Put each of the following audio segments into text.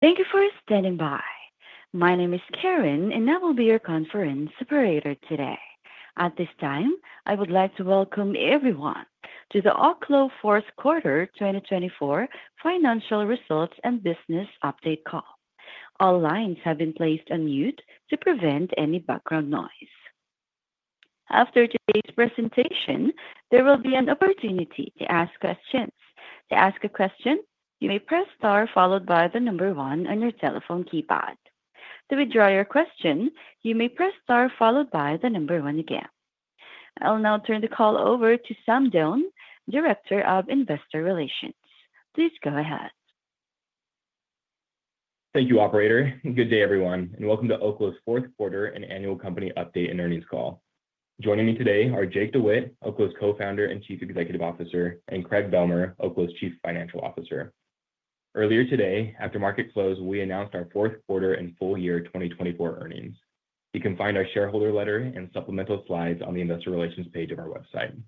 Thank you for standing by. My name is Karen, and I will be your conference Operator today. At this time, I would like to welcome everyone to the Oklo Q4 2024 financial results and Business Update call. All lines have been placed on mute to prevent any background noise. After today's presentation, there will be an opportunity to ask questions. To ask a question, you may press star followed by the number one on your telephone keypad. To withdraw your question, you may press star followed by the number one again. I'll now turn the call over to Sam Doane, Director of Investor Relations. Please go ahead. Thank you, Operator. Good day, everyone, and welcome to Oklo's Q4 and annual company update and earnings call. Joining me today are Jake DeWitte, Oklo's Co-Founder and Chief Executive Officer, and Craig Bealmear, Oklo's Chief Financial Officer. Earlier today, after market close, we announced our Q4 and full-year 2024 earnings. You can find our shareholder letter and supplemental slides on the Investor Relations page of our website.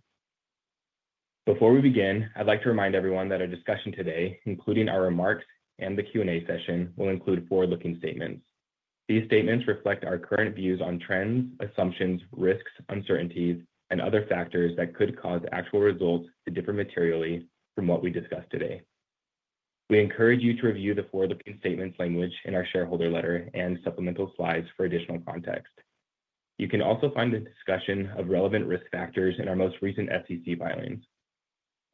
Before we begin, I'd like to remind everyone that our discussion today, including our remarks and the Q and A session, will include forward-looking statements. These statements reflect our current views on trends, assumptions, risks, uncertainties, and other factors that could cause actual results to differ materially from what we discuss today. We encourage you to review the forward-looking statements language in our shareholder letter and supplemental slides for additional context. You can also find a discussion of relevant risk factors in our most recent SEC filings.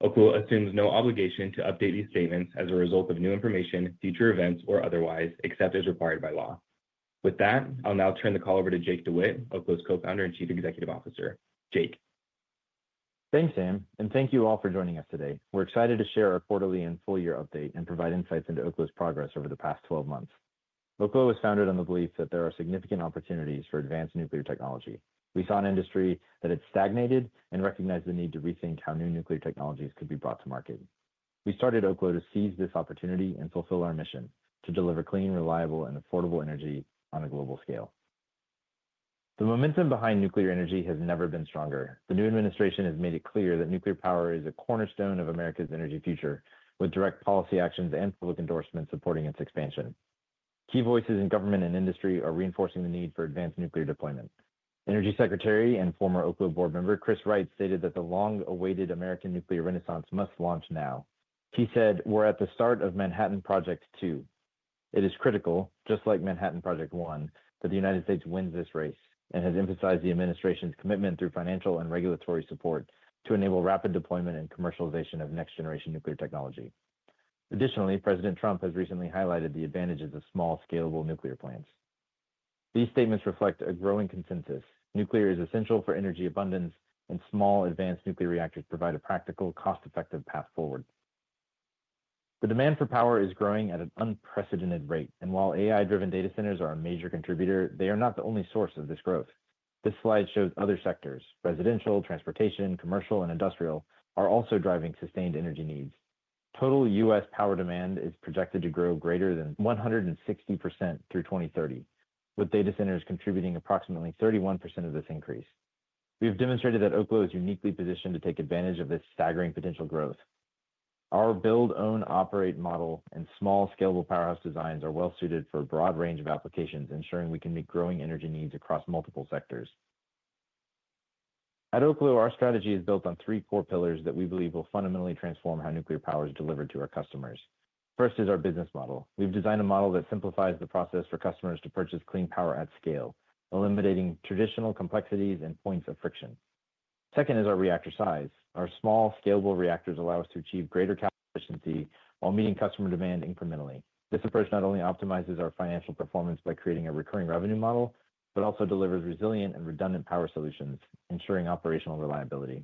Oklo assumes no obligation to update these statements as a result of new information, future events, or otherwise, except as required by law. With that, I'll now turn the call over to Jake DeWitte, Oklo's Co-Founder and Chief Executive Officer. Jake. Thanks, Sam, and thank you all for joining us today. We're excited to share our quarterly and full-year update and provide insights into Oklo's progress over the past 12 months. Oklo was founded on the belief that there are significant opportunities for advanced nuclear technology. We saw an industry that had stagnated and recognized the need to rethink how new nuclear technologies could be brought to market. We started Oklo to seize this opportunity and fulfill our mission to deliver clean, reliable, and affordable energy on a global scale. The momentum behind nuclear energy has never been stronger. The new administration has made it clear that nuclear power is a cornerstone of America's energy future, with direct policy actions and public endorsements supporting its expansion. Key voices in government and industry are reinforcing the need for advanced nuclear deployment. Energy Secretary and former Oklo Board Member Chris Wright stated that the long-awaited American nuclear renaissance must launch now. He said, we're at the start of Manhattan Project 2. It is critical, just like Manhattan Project 1, that the United States wins this race and has emphasized the administration's commitment through financial and regulatory support to enable rapid deployment and commercialization of next-generation nuclear technology. Additionally, President Trump has recently highlighted the advantages of small, scalable nuclear plants. These statements reflect a growing consensus. Nuclear is essential for energy abundance, and small advanced nuclear reactors provide a practical, cost-effective path forward. The demand for power is growing at an unprecedented rate, and while AI-driven data centers are a major contributor, they are not the only source of this growth. This slide shows other sectors—residential, transportation, commercial, and industrial—are also driving sustained energy needs. Total U.S. power demand is projected to grow greater than 160% through 2030, with data centers contributing approximately 31% of this increase. We have demonstrated that Oklo is uniquely positioned to take advantage of this staggering potential growth. Our build, own, operate model and small, scalable powerhouse designs are well-suited for a broad range of applications, ensuring we can meet growing energy needs across multiple sectors. At Oklo, our strategy is built on three core pillars that we believe will fundamentally transform how nuclear power is delivered to our customers. First is our business model. We've designed a model that simplifies the process for customers to purchase clean power at scale, eliminating traditional complexities and points of friction. Second is our reactor size. Our small, scalable reactors allow us to achieve greater capital efficiency while meeting customer demand incrementally. This approach not only optimizes our financial performance by creating a recurring revenue model but also delivers resilient and redundant power solutions, ensuring operational reliability.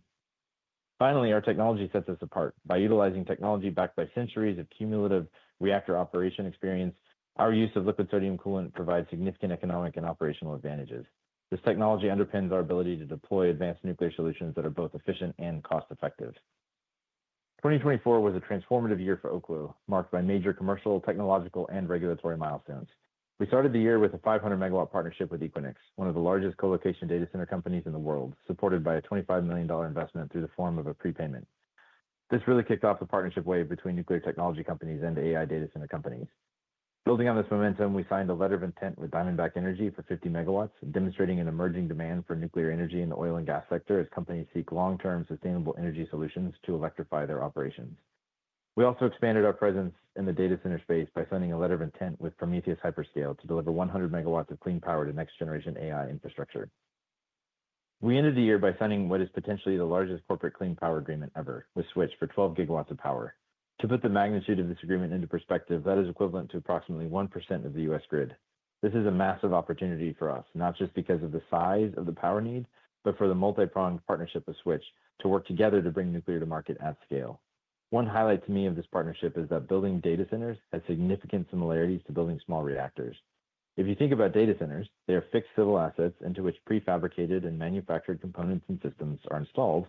Finally, our technology sets us apart by utilizing technology backed by centuries of cumulative reactor operation experience. Our use of liquid sodium coolant provides significant economic and operational advantages. This technology underpins our ability to deploy advanced nuclear solutions that are both efficient and cost-effective. 2024 was a transformative year for Oklo, marked by major commercial, technological, and regulatory milestones. We started the year with a 500 MW partnership with Equinix, one of the largest colocation data center companies in the world, supported by a $25 million investment through the form of a prepayment. This really kicked off the partnership wave between nuclear technology companies and AI data center companies. Building on this momentum, we signed a letter of intent with Diamondback Energy for 50 MW, demonstrating an emerging demand for nuclear energy in the oil and gas sector. As companies seek long-term sustainable energy solutions to electrify their operations, we also expanded our presence in the data center space by signing a letter of intent with Prometheus Hyperscale to deliver 100 MW of clean power to next-generation AI infrastructure. We ended the year by signing what is potentially the largest corporate clean Power Agreement ever with Switch for 12 GW of power. To put the magnitude of this agreement into perspective, that is equivalent to approximately 1% of the U.S. grid. This is a massive opportunity for us, not just because of the size of the power need, but for the multi-pronged partnership of Switch to work together to bring nuclear to market at scale. One highlight to me of this partnership is that building data centers has significant similarities to building small reactors. If you think about data centers, they are fixed civil assets into which prefabricated and manufactured components and systems are installed,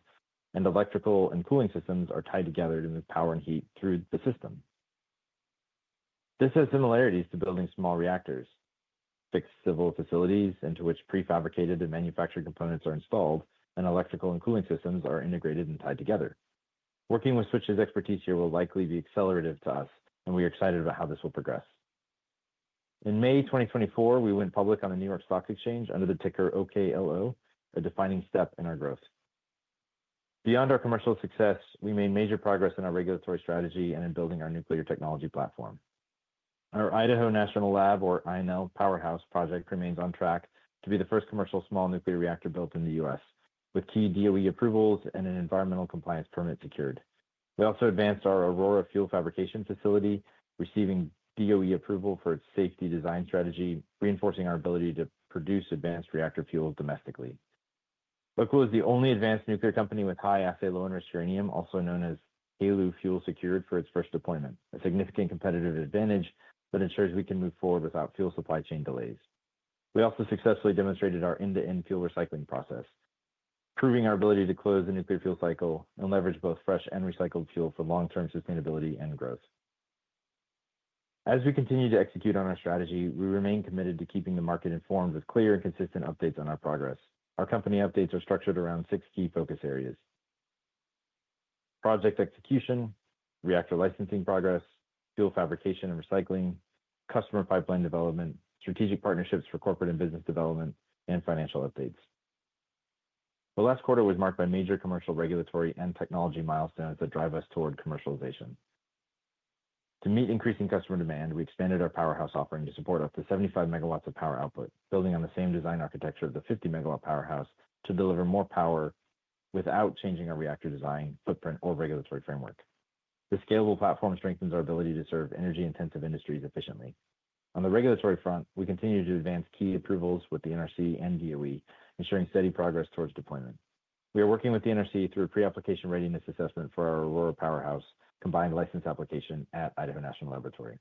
and electrical and cooling systems are tied together to move power and heat through the system. This has similarities to building small reactors, fixed civil facilities into which prefabricated and manufactured components are installed, and electrical and cooling systems are integrated and tied together. Working with Switch's expertise here will likely be accelerative to us, and we are excited about how this will progress. In May 2024, we went public on the New York Stock Exchange under the ticker OKLO, a defining step in our growth. Beyond our commercial success, we made major progress in our regulatory strategy and in building our nuclear technology platform. Our Idaho National Lab or INL Powerhouse project remains on track to be the first commercial small nuclear reactor built in the U.S., with key DOE approvals and an environmental compliance permit secured. We also advanced our Aurora Fuel Fabrication Facility, receiving DOE approval for its safety design strategy, reinforcing our ability to produce advanced reactor fuel domestically. Oklo is the only advanced nuclear company with high assay low-enriched uranium, also known as HALEU fuel, secured for its first deployment, a significant competitive advantage that ensures we can move forward without fuel supply chain delays. We also successfully demonstrated our end to end fuel recycling process, proving our ability to close the nuclear fuel cycle and leverage both fresh and recycled fuel for long term sustainability and growth. As we continue to execute on our strategy, we remain committed to keeping the market informed with clear and consistent updates on our progress. Our company updates are structured around six key focus areas: project execution, reactor licensing progress, fuel fabrication and recycling, customer pipeline development, strategic partnerships for corporate and business development, and financial updates. The last quarter was marked by major commercial, regulatory, and technology milestones that drive us toward commercialization. To meet increasing customer demand, we expanded our powerhouse offering to support up to 75 MW of power output. Building on the same design architecture of the 50 MW powerhouse to deliver more power without changing our reactor design footprint or regulatory framework. The scalable platform strengthens our ability to serve energy-intensive industries efficiently. On the regulatory front, we continue to advance key approvals with the NRC and DOE, ensuring steady progress towards deployment. We are working with the NRC through pre-Application Readiness Assessment for our Aurora Powerhouse Combined License application at Idaho National Laboratory.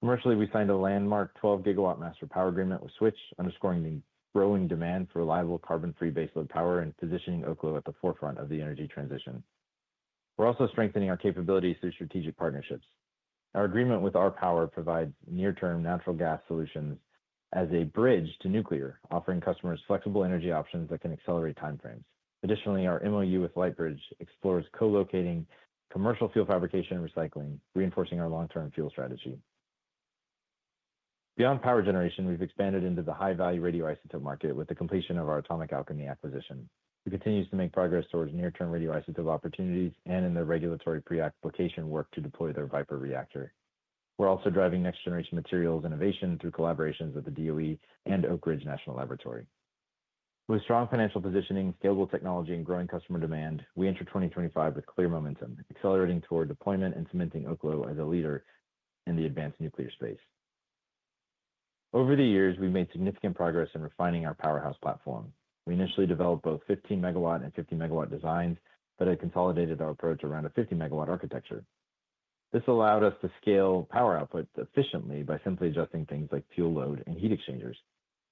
Commercially, we signed a landmark 12 GW master Power Agreement with Switch, underscoring the growing demand for reliable carbon-free baseload power and positioning Oklo at the forefront of the energy transition. We're also strengthening our capabilities through strategic partnerships. Our agreement with RPower provides near-term natural gas solutions as a bridge to nuclear, offering customers flexible energy options that can accelerate timeframes. Additionally, our MOU with Lightbridge explores co-locating commercial fuel fabrication and recycling, reinforcing our long-term fuel strategy. Beyond power generation, we've expanded into the high-value radioisotope market with the completion of our Atomic Alchemy acquisition. It continues to make progress towards near-term radioisotope opportunities and in the regulatory pre-application work to deploy their VIPER reactor. We're also driving next-generation materials innovation through collaborations with the DOE and Oak Ridge National Laboratory. With strong financial positioning, scalable technology, and growing customer demand, we enter 2025 with clear momentum, accelerating toward deployment and cementing Oklo as a leader in the advanced nuclear space. Over the years, we've made significant progress in refining our Powerhouse platform. We initially developed both 15 MW and 50 MW designs, but it consolidated our approach around a 50 MW architecture. This allowed us to scale power output efficiently by simply adjusting things like fuel load and heat exchangers.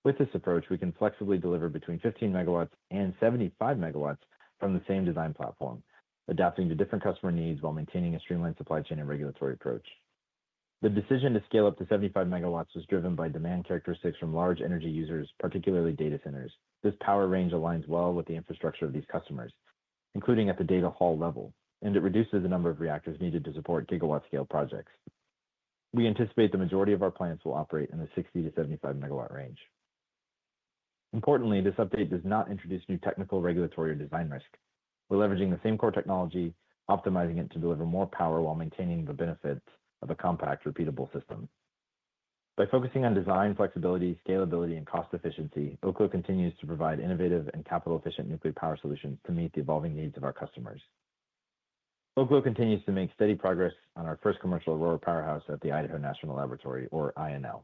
With this approach, we can flexibly deliver between 15 MW and 75 MW from the same design platform, adapting to different customer needs while maintaining a streamlined supply chain and regulatory approach. The decision to scale up to 75 MW was driven by demand characteristics from large energy users, particularly data centers. This power range aligns well with the infrastructure of these customers, including at the data hall level, and it reduces the number of reactors needed to support GW-scale projects. We anticipate the majority of our plants will operate in the 60 MW-75 MW range. Importantly, this update does not introduce new technical, regulatory, or design risk. We're leveraging the same core technology, optimizing it to deliver more power while maintaining the benefits of a compact, repeatable system by focusing on design flexibility, scalability, and cost efficiency. Oklo continues to provide innovative and capital-efficient nuclear power solutions to meet the evolving needs of our customers. Oklo continues to make steady progress on our first commercial Aurora Powerhouse at the Idaho National Laboratory, or INL.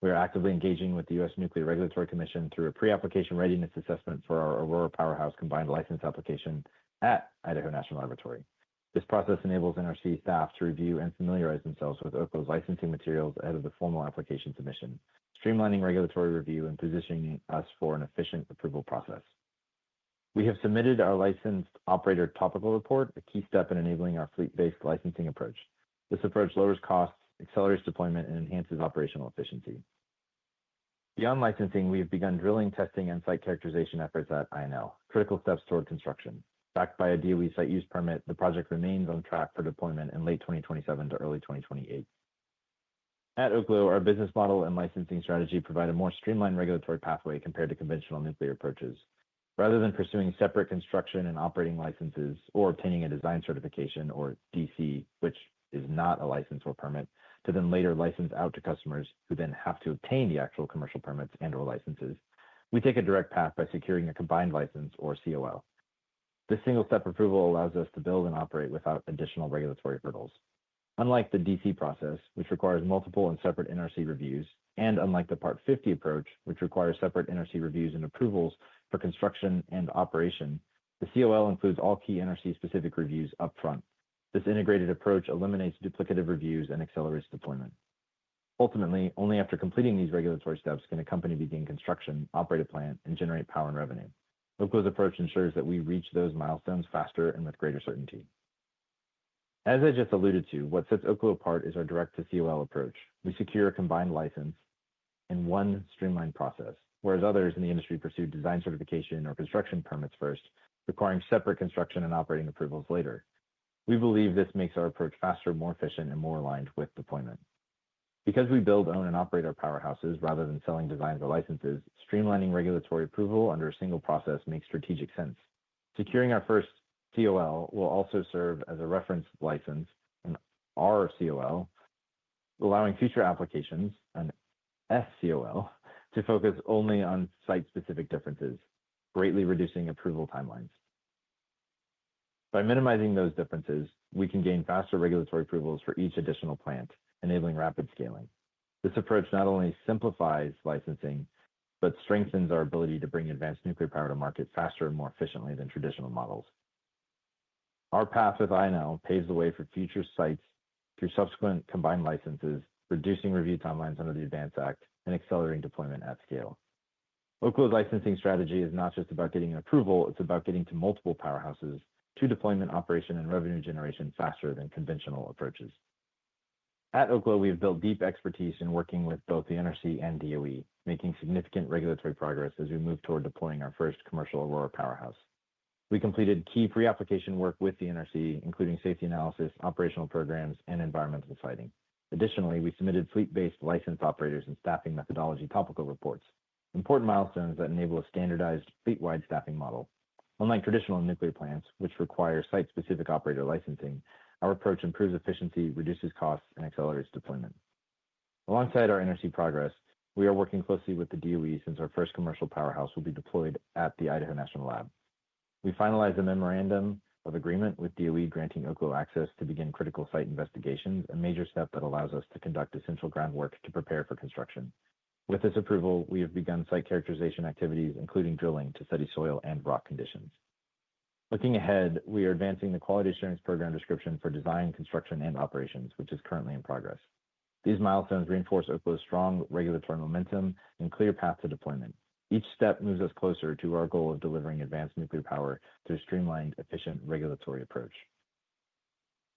We are actively engaging with the U.S. Nuclear Regulatory Commission through a pre-application readiness assessment for our Aurora Powerhouse Combined License application at Idaho National Laboratory. This process enables NRC staff to review and familiarize themselves with Oklo's licensing materials ahead of the formal application submission, streamlining regulatory review and positioning us for an efficient approval process. We have submitted our Licensed Operator Topical Report, a key step in enabling our fleet-based licensing approach. This approach lowers costs, accelerates deployment, and enhances operational efficiency. Beyond licensing, we have begun drilling, testing, and site characterization efforts at INL. Critical steps toward construction. Backed by a DOE site use permit, the project remains on track for deployment in late 2027 to early 2028 at Oklo. Our business model and licensing strategy provide a more streamlined regulatory pathway compared to conventional nuclear approaches. Rather than pursuing separate construction and operating licenses or obtaining a design certification or DC, which is not a license or permit, to then later license out to customers who then have to obtain the actual commercial permits and or licenses, we take a direct path by securing a Combined License or COL. This single-step approval allows us to build and operate without additional regulatory hurdles. Unlike the DC process, which requires multiple and separate NRC reviews, and unlike the part 50 approach, which requires separate NRC reviews and approvals for construction and operation, the COL includes all key NRC specific reviews upfront. This integrated approach eliminates duplicative reviews and accelerates deployment. Ultimately, only after completing these regulatory steps can a company begin construction, operate a plant, and generate power and revenue. Oklo's approach ensures that we reach those milestones faster and with greater certainty. As I just alluded to, what sets Oklo apart is our direct-to-COL approach, which we secure a Combined License in one streamlined process. Whereas others in the industry pursue design certification or construction permits first, requiring separate construction and operating approvals later, we believe this makes our approach faster, more efficient, and more aligned with deployment. Because we build, own, and operate our powerhouses rather than selling designs or licenses, streamlining regulatory approval under a single process makes strategic sense. Securing our first COL will also serve as a Referenced License and RCOL, allowing future applications and SCOL to focus only on site-specific differences, greatly reducing approval timelines. By minimizing those differences, we can gain faster regulatory approvals for each additional plant, enabling rapid scaling. This approach not only simplifies licensing but strengthens our ability to bring advanced nuclear power to market faster and more efficiently than traditional models. Our path with Idaho paves the way for future sites through Subsequent Combined Licenses, reducing review timelines under the ADVANCE Act and accelerating deployment at scale. Oklo's licensing strategy is not just about getting approval. It's about getting to multiple powerhouses to deployment, operation, and revenue generation faster than conventional approaches. At Oklo, we have built deep expertise in working with both the NRC and DOE, making significant regulatory progress as we move toward deploying our first commercial Aurora Powerhouse. We completed key pre-application work with the NRC, including safety analysis, operational programs, and environmental siting. Additionally, we submitted fleet-based Licensed Operators and staffing methodology topical reports, important milestones that enable a standardized fleet-wide staffing model. Unlike traditional nuclear plants, which require site-specific operator licensing, our approach improves efficiency, reduces costs, and accelerates deployment. Alongside our energy progress, we are working closely with the DOE since our first commercial Powerhouse will be deployed. At the Idaho National Lab, we finalized a memorandum of agreement with DOE granting Oklo access to begin critical site investigations, a major step that allows us to conduct essential groundwork to prepare for construction. With this approval, we have begun site characterization activities, including drilling to study soil and rock conditions. Looking ahead, we are advancing the quality assurance program description for design, construction, and operations, which is currently in progress. These milestones reinforce Oklo's strong regulatory momentum and clear path to deployment. Each step moves us closer to our goal of delivering advanced nuclear power through streamlined, efficient regulatory approach.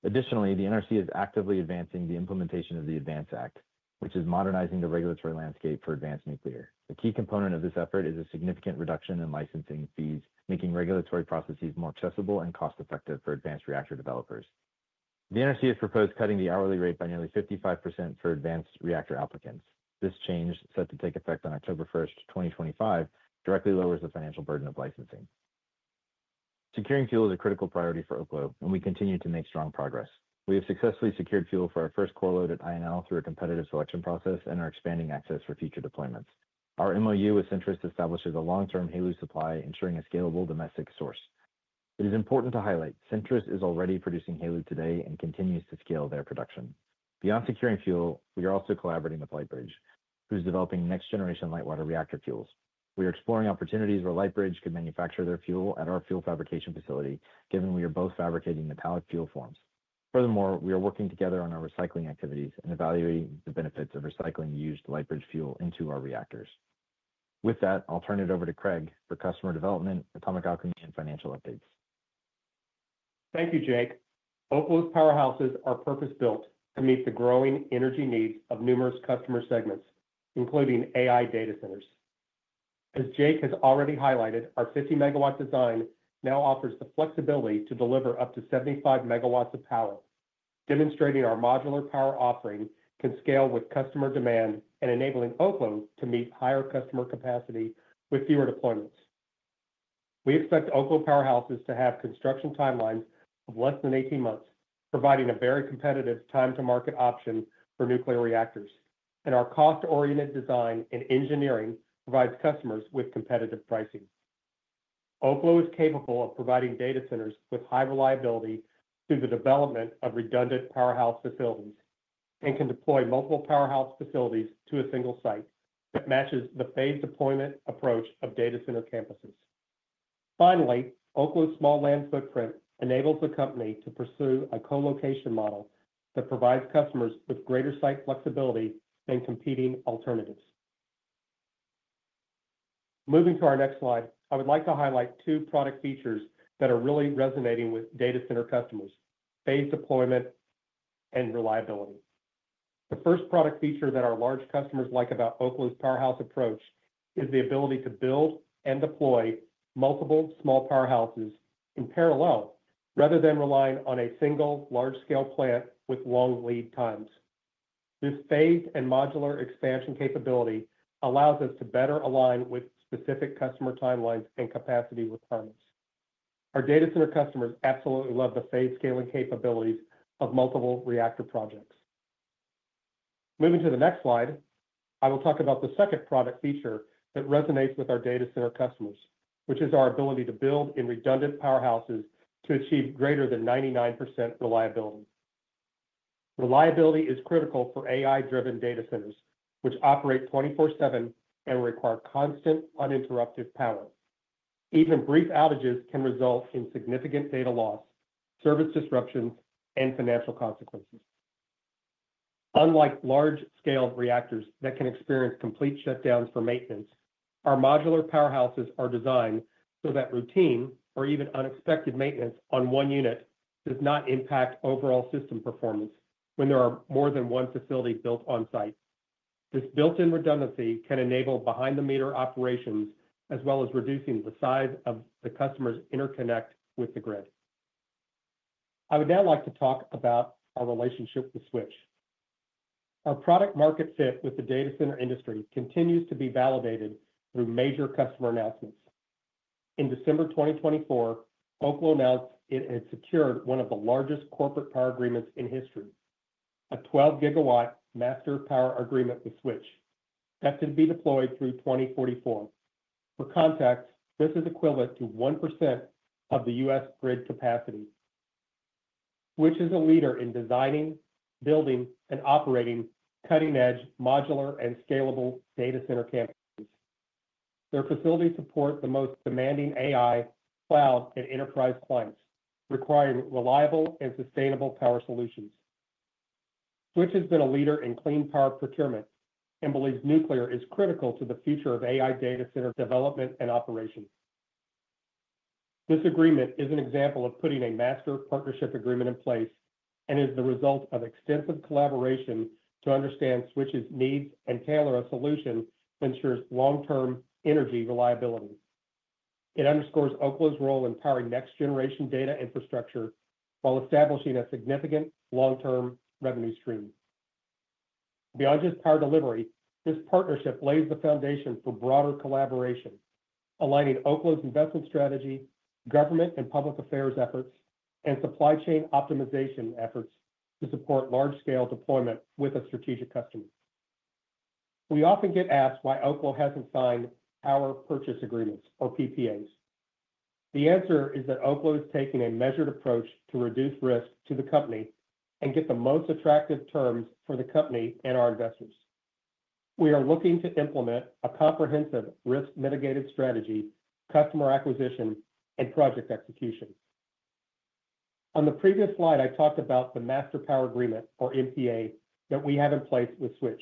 Additionally, the NRC is actively advancing the implementation of the ADVANCE Act, which is modernizing the regulatory landscape for advanced nuclear. The key component of this effort is a significant reduction in licensing fees, making regulatory processes more accessible and cost-effective for advanced reactor developers. The NRC has proposed cutting the hourly rate by nearly 55% for advanced reactor applicants. This change, set to take effect on October 1st, 2025, directly lowers the financial burden of licensing. Securing fuel is a critical priority for Oklo, and we continue to make strong progress. We have successfully secured fuel for our first core load at INL through a competitive selection process and are expanding access for future deployments. Our MOU with Centrus establishes a long-term HALEU supply, ensuring a scalable domestic source. It is important to highlight Centrus is already producing HALEU today and continues to scale their production. Beyond securing fuel, we are also collaborating with Lightbridge, who's developing next-generation light water reactor fuels. We are exploring opportunities where Lightbridge could manufacture their fuel at our fuel fabrication facility, given we are both fabricating metallic fuel forms. Furthermore, we are working together on our recycling activities and evaluating the benefits of recycling used Lightbridge fuel into our reactors. With that, I'll turn it over to Craig for customer development, Atomic Alchemy, and financial updates. Thank you, Jake. Oklo's powerhouses are purpose-built to meet the growing energy needs of numerous customer segments, including AI data centers. As Jake has already highlighted, our 50 MW design now offers the flexibility to deliver up to 75 MW of power, demonstrating our modular power offering can scale with customer demand and enabling Oklo to meet higher customer capacity with fewer deployments. We expect Oklo powerhouses to have construction timelines of less than 18 months, providing a very competitive time to market option for nuclear reactors, and our cost-oriented design and engineering provides customers with competitive pricing. Oklo is capable of providing data centers with high reliability through the development of redundant powerhouse facilities and can deploy multiple powerhouse facilities to a single site that matches the phased deployment approach of data center campuses. Finally, Oklo's small land footprint enables the company to pursue a co-location model that provides customers with greater site flexibility and competing alternatives. Moving to our next slide, I would like to highlight two product features that are really resonating with data center customers. Phased deployment reliability. The first product feature that our large customers like about Oklo's powerhouse approach is the ability to build and deploy multiple small powerhouses in parallel rather than relying on a single large-scale plant with long lead times. This phased and modular expansion capability allows us to better align with specific customer timelines and capacity requirements. Our data center customers absolutely love the phased scaling capabilities of multiple reactor projects. Moving to the next slide, I will talk about the second product feature that resonates with our data center customers, which is our ability to build in redundant powerhouses to achieve greater than 99% reliability. Reliability is critical for AI-driven data centers, which operate 24/7 and require constant, uninterrupted power. Even brief outages can result in significant data loss, service disruptions, and financial consequences. Unlike large-scale reactors that can experience complete shutdowns for maintenance, our modular powerhouses are designed so that routine or even unexpected maintenance on one unit does not impact overall system performance. When there is more than one facility built on site, this built-in redundancy can enable behind-the-meter operations as well as reducing the size of the customer's interconnect with the grid. I would now like to talk about our relationship with Switch. Our product market fit with the data center industry continues to be validated through major customer announcements. In December 2024, Oklo announced it had secured one of the largest corporate Power Agreements in history, a 12 GW Master Power Agreement with Switch that is to be deployed through 2044. For context, this is equivalent to 1% of the U.S. grid capacity. Switch is a leader in designing, building, and operating cutting-edge modular and scalable data center campuses. Their facilities support the most demanding AI, cloud, and enterprise clients requiring reliable and sustainable power solutions. Switch has been a leader in clean power procurement and believes nuclear is critical to the future of AI data center development and operations. This agreement is an example of putting a Master Partnership Agreement in place and is the result of extensive collaboration to understand Switch's needs and tailor a solution that ensures long-term energy reliability. It underscores Oklo's role in powering next-generation data infrastructure while establishing a significant long-term revenue stream beyond just power delivery. This partnership lays the foundation for broader collaboration, aligning Oklo's investment strategy, government and public affairs efforts, and supply chain optimization efforts to support large-scale deployment with a strategic customer. We often get asked why Oklo hasn't signed our Purchase Agreements or PPAs. The answer is that Oklo is taking a measured approach to reduce risk to the company and get the most attractive terms for the company and our investors. We are looking to implement a comprehensive risk mitigated strategy, customer acquisition, and project execution. On the previous slide, I talked about the Master Power Agreement or MPA that we have in place with Switch.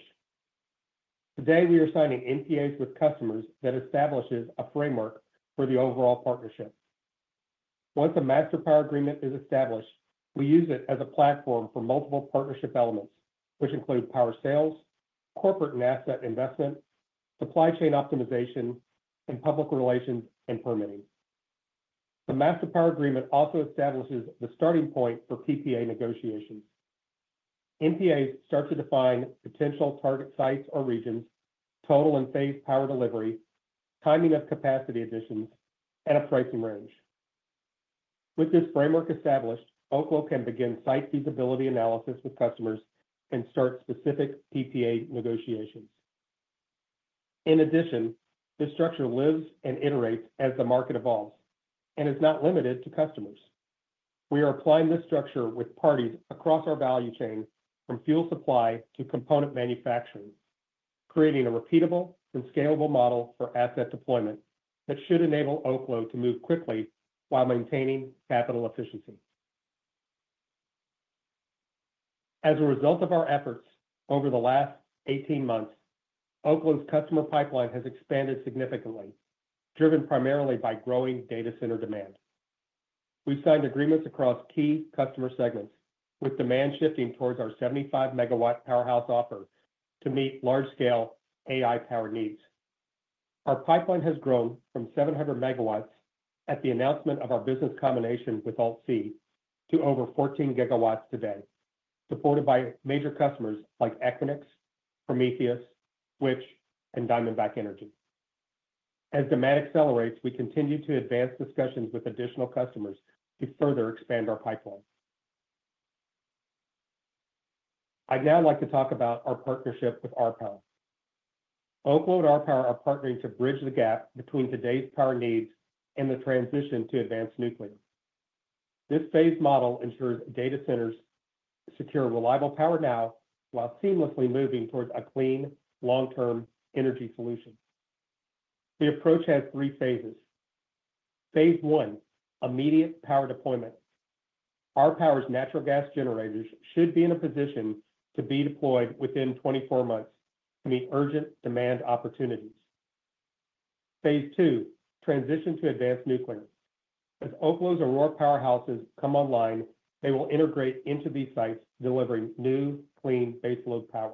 Today, we are signing NPAs with customers that establishes a framework for the overall partnership. Once a Master Power Agreement is established, we use it as a platform for multiple partnership elements, which include power sales, corporate and asset investment, supply chain optimization, and public relations and permitting. The Master Power Agreement also establishes the starting point for PPA negotiations. NPAs start to define potential target sites or regions, total and phase power delivery, timing of capacity additions, and a pricing range. With this framework established, Oklo can begin site feasibility analysis with customers and start specific PPA negotiations. In addition, this structure lives and iterates as the market evolves and is not limited to customers. We are applying this structure with parties across our value chain from fuel supply to component manufacturing, creating a repeatable and scalable model for asset deployment that should enable Oklo to move quickly while maintaining capital efficiency. As a result of our efforts over the last 18 months, Oklo's customer pipeline has expanded significantly, driven primarily by growing data center demand. We signed agreements across key customer segments with demand shifting towards our 75 MW powerhouse offer to meet large-scale AI-powered needs. Our pipeline has grown from 700 MW at the announcement of our business combination with AltC to over 14 GW today, supported by major customers like Equinix, Prometheus, Switch, and Diamondback Energy. As the market accelerates, we continue to advance discussions with additional customers to further expand our pipeline. I'd now like to talk about our partnership with RPower. Oklo and RPower are partnering to bridge the gap between today's power needs and the transition to advanced nuclear. This phased model ensures data centers secure reliable power now while seamlessly moving towards clean long-term energy solutions. The approach has three phases. Phase I: immediate power deployment. RPower's natural gas generators should be in a position to be deployed within 24 months to meet urgent demand opportunities. Phase II: transition to advanced nuclear. As Oklo's Aurora Powerhouses come online, they will integrate into these sites, delivering new clean baseload power.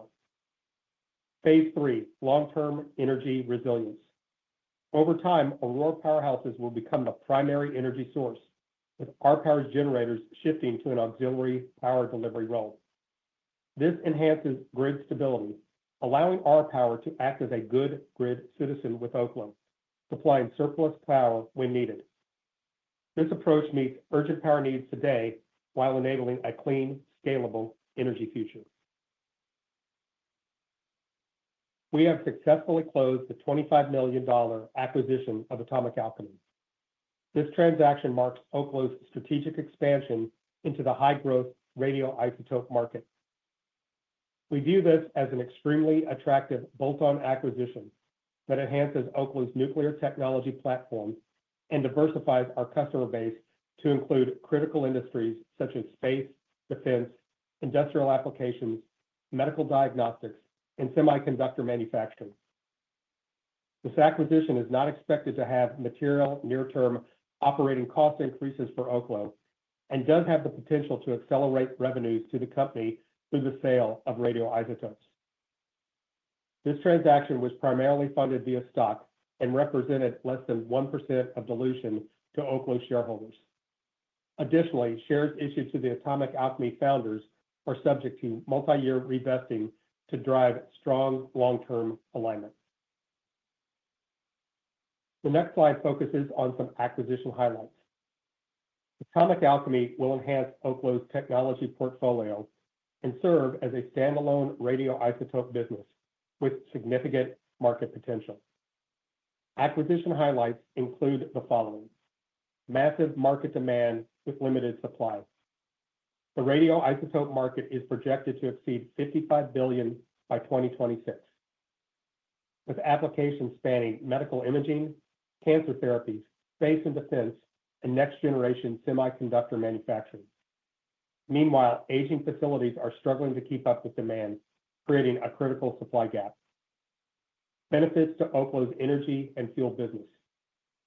Phase III: long-term energy resilience. Over time, Aurora Powerhouses will become the primary energy source, with RPower's generators shifting to an auxiliary power delivery role. This enhances grid stability, allowing RPower to act as a good grid citizen. With Oklo supplying surplus power when needed, this approach meets urgent power needs today while enabling a clean, scalable energy future. We have successfully closed the $25 million acquisition of Atomic Alchemy. This transaction marks Oklo's strategic expansion into the high-growth radioisotope market. We view this as an extremely attractive bolt-on acquisition that enhances Oklo's nuclear technology platform and diversifies our customer base to include critical industries such as space, defense, industrial applications, medical diagnostics, and semiconductor manufacturing. This acquisition is not expected to have material near-term operating cost increases for Oklo and does have the potential to accelerate revenues to the company through the sale of radioisotopes. This transaction was primarily funded via stock and represented less than 1% of dilution to Oklo shareholders. Additionally, shares issued to the Atomic Alchemy founders are subject to multi-year revesting to drive strong long-term alignment. The next slide focuses on some acquisition highlights. Atomic Alchemy will enhance Oklo's technology portfolio and serve as a Standalone Radioisotope business with significant market potential. Acquisition highlights include the massive market demand with limited supply. The radioisotope market is projected to exceed $55 billion by 2026, with applications spanning medical imaging, cancer therapies, space and defense, and next-generation semiconductor manufacturing. Meanwhile, aging facilities are struggling to keep up with demand, creating a critical supply gap. Benefits to Oklo's energy and fuel business.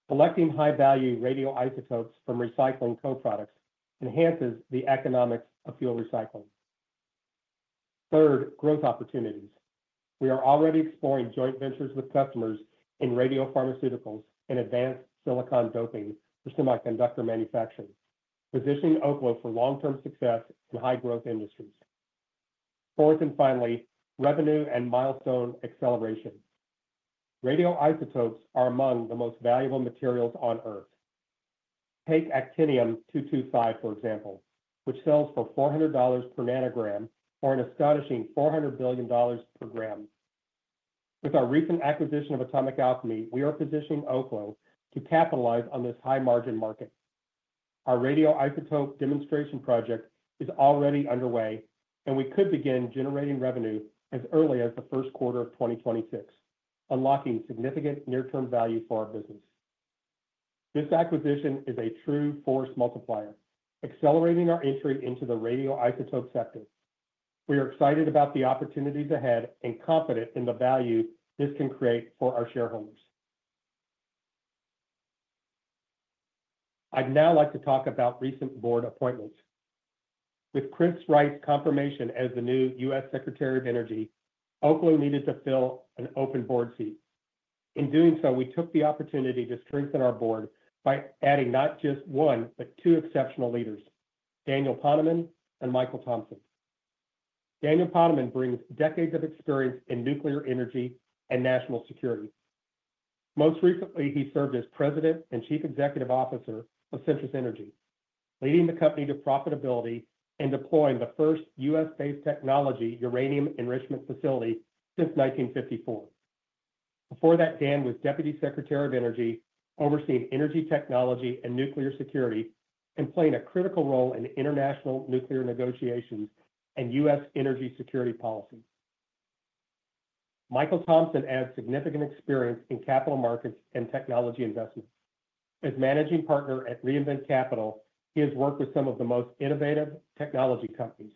Collecting high-value radioisotopes from recycling co-products enhances the economics of fuel recycling. Third, growth opportunities. We are already exploring joint ventures with customers in radiopharmaceuticals and advanced silicon doping for semiconductor manufacturing, positioning Oklo for long-term success and in high-growth industries. Fourth and finally, revenue and milestone acceleration. Radioisotopes are among the most valuable materials on Earth. Take Actinium225 for example, which sells for $400 per nanogram or an astonishing $400 billion per gram. With our recent acquisition of Atomic Alchemy, we are positioning Oklo to capitalize on this high-margin market. Our radioisotope demonstration project is already underway, and we could begin generating revenue as early as the Q1 of 2026, unlocking significant near-term value for our business. This acquisition is a true force multiplier, accelerating our entry into the radioisotope sector. We are excited about the opportunities ahead and confident in the value this can create for our shareholders. Thank you. I'd now like to talk about recent Board appointments. With Chris Wright's confirmation as the new U.S. Secretary of Energy, Oklo needed to fill an open board seat. In doing so, we took the opportunity to strengthen our board by adding not just one but two exceptional leaders, Daniel Poneman and Michael Thompson. Daniel Poneman brings Daniel decades of experience in nuclear energy and national security. Most recently, he served as President and Chief Executive Officer of Centrus Energy, leading the company to profitability and deploying the first U.S.-based technology uranium enrichment facility since 1954. Before that, Dan was Deputy Secretary of Energy, overseeing energy technology and nuclear security and playing a critical role in international nuclear negotiations and U.S. energy security policies. Michael Thompson adds significant experience in capital markets and technology investments. As Managing Partner at Reinvent Capital, he has worked with some of the most innovative technology companies.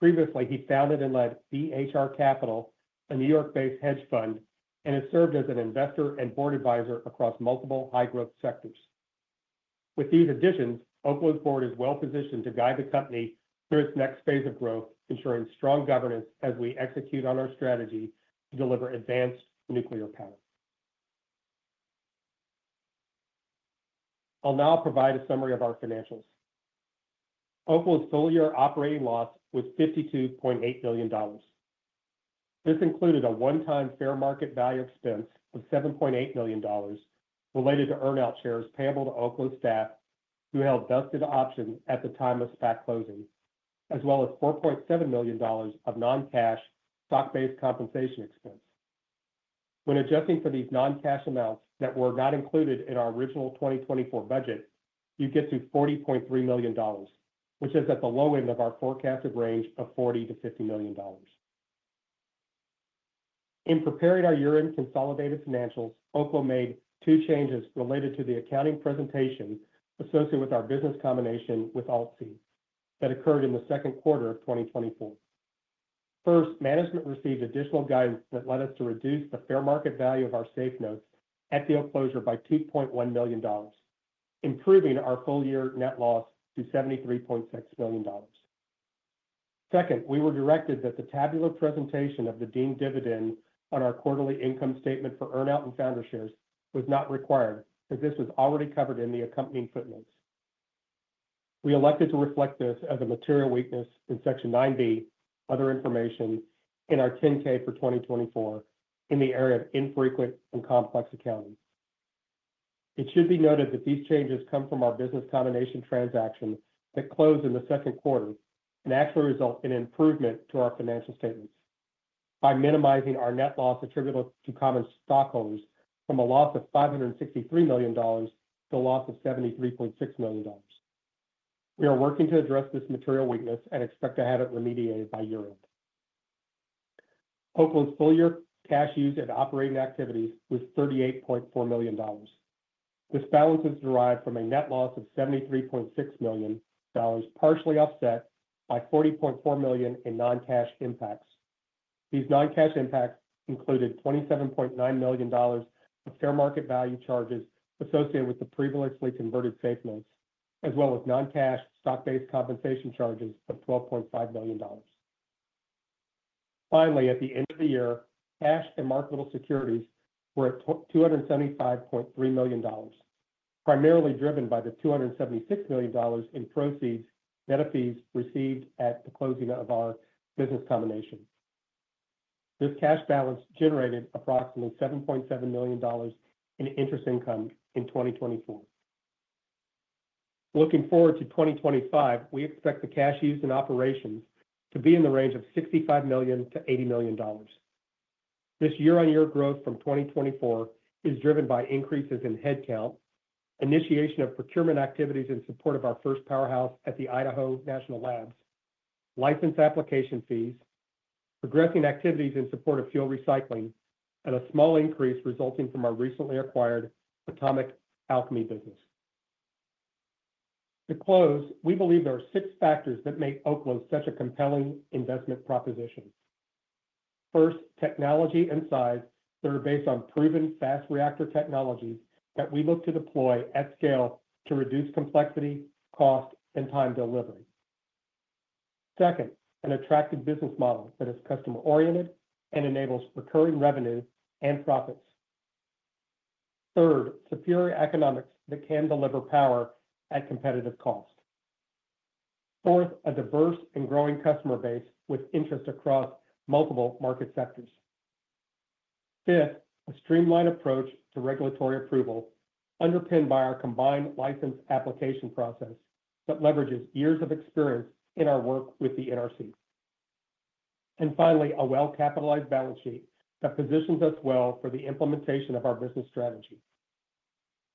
Previously, he founded and led EHR Capital, a New York-based hedge fund, and has served as an investor and board advisor across multiple high-growth sectors. With these additions, Oklo's board is well-positioned to guide the company through its next phase of growth, ensuring strong governance as we execute on our strategy to deliver advanced nuclear power. I'll now provide a summary of our financials. Oklo's full-year operating loss was $52.8 million. This included a one-time fair market value expense of $7.8 million related to earn-out shares payable to Oklo staff who held vested options at the time of SPAC closing, as well as $4.7 million of non-cash stock-based compensation expense. When adjusting for these non-cash amounts that were not included in our original 2024 budget, you get to $40.3 million, which is at the low end of our forecasted range of $40-$50 million. In preparing our year-end consolidated financials, Oklo made two changes related to the accounting presentation associated with our business combination with AltC that occurred in the Q2 of 2024. First, management received additional guidance that led us to reduce the fair market value of our SAFE notes at the closure by $2.1 million, improving our full-year net loss to $73.6 million. Second, we were directed that the tabular presentation of the deemed dividend on our quarterly income statement for earnout and founder shares was not required, as this was already covered in the accompanying footnotes. We elected to reflect this as a material weakness in section 9B. Other information in our 10K for 2024 in the area of infrequent and complex accounting, it should be noted that these changes come from our business combination transaction that closed in the Q2 and actually result in improvement to our financial statements. By minimizing our net loss attributable to common stockholders from a loss of $563 million to a loss of $73.6 million, we are working to address this material weakness and expect to have it remediated by year end. Oklo's full-year cash used in operating activities was $38.4 million. This balance is derived from a net loss of $73.6 million, partially offset by $40.4 million in non-cash impacts. These non-cash impacts included $27.9 million of fair market value charges associated with the previously converted SAFE notes, as well as non-cash stock-based compensation charges of $12.5 million. Finally, at the end of the year cash and marketable securities were at $275.3 million, primarily driven by the $276 million in proceeds and fees received at the closing of our business combination. This cash balance generated approximately $7.7 million in interest income in 2024. Looking forward to 2025, we expect the cash used in operations to be in the range of $65 million-$80 million this year. On year growth from 2024 is driven by increases in headcount, initiation of procurement activities in support of our first powerhouse at the Idaho National Lab, Licensed application fees, progressing activities in support of fuel recycling, and a small increase resulting from our recently acquired Atomic Alchemy business. To close, we believe there are six factors that make Oklo such a compelling investment proposition. First, technology and size that are based on proven fast reactor technologies that we look to deploy at scale to reduce complexity, cost, and time delivery. Second, an attractive business model that is customer-oriented and enables recurring revenue and profits. Third, superior economics that can deliver power at competitive cost. Fourth, a diverse and growing customer base with interest across multiple market sectors. Fifth, a streamlined approach to regulatory approval underpinned by our Combined License application process that leverages years of experience in our work with the NRC. Finally, a well-capitalized balance sheet that positions us well for the implementation of our business strategy.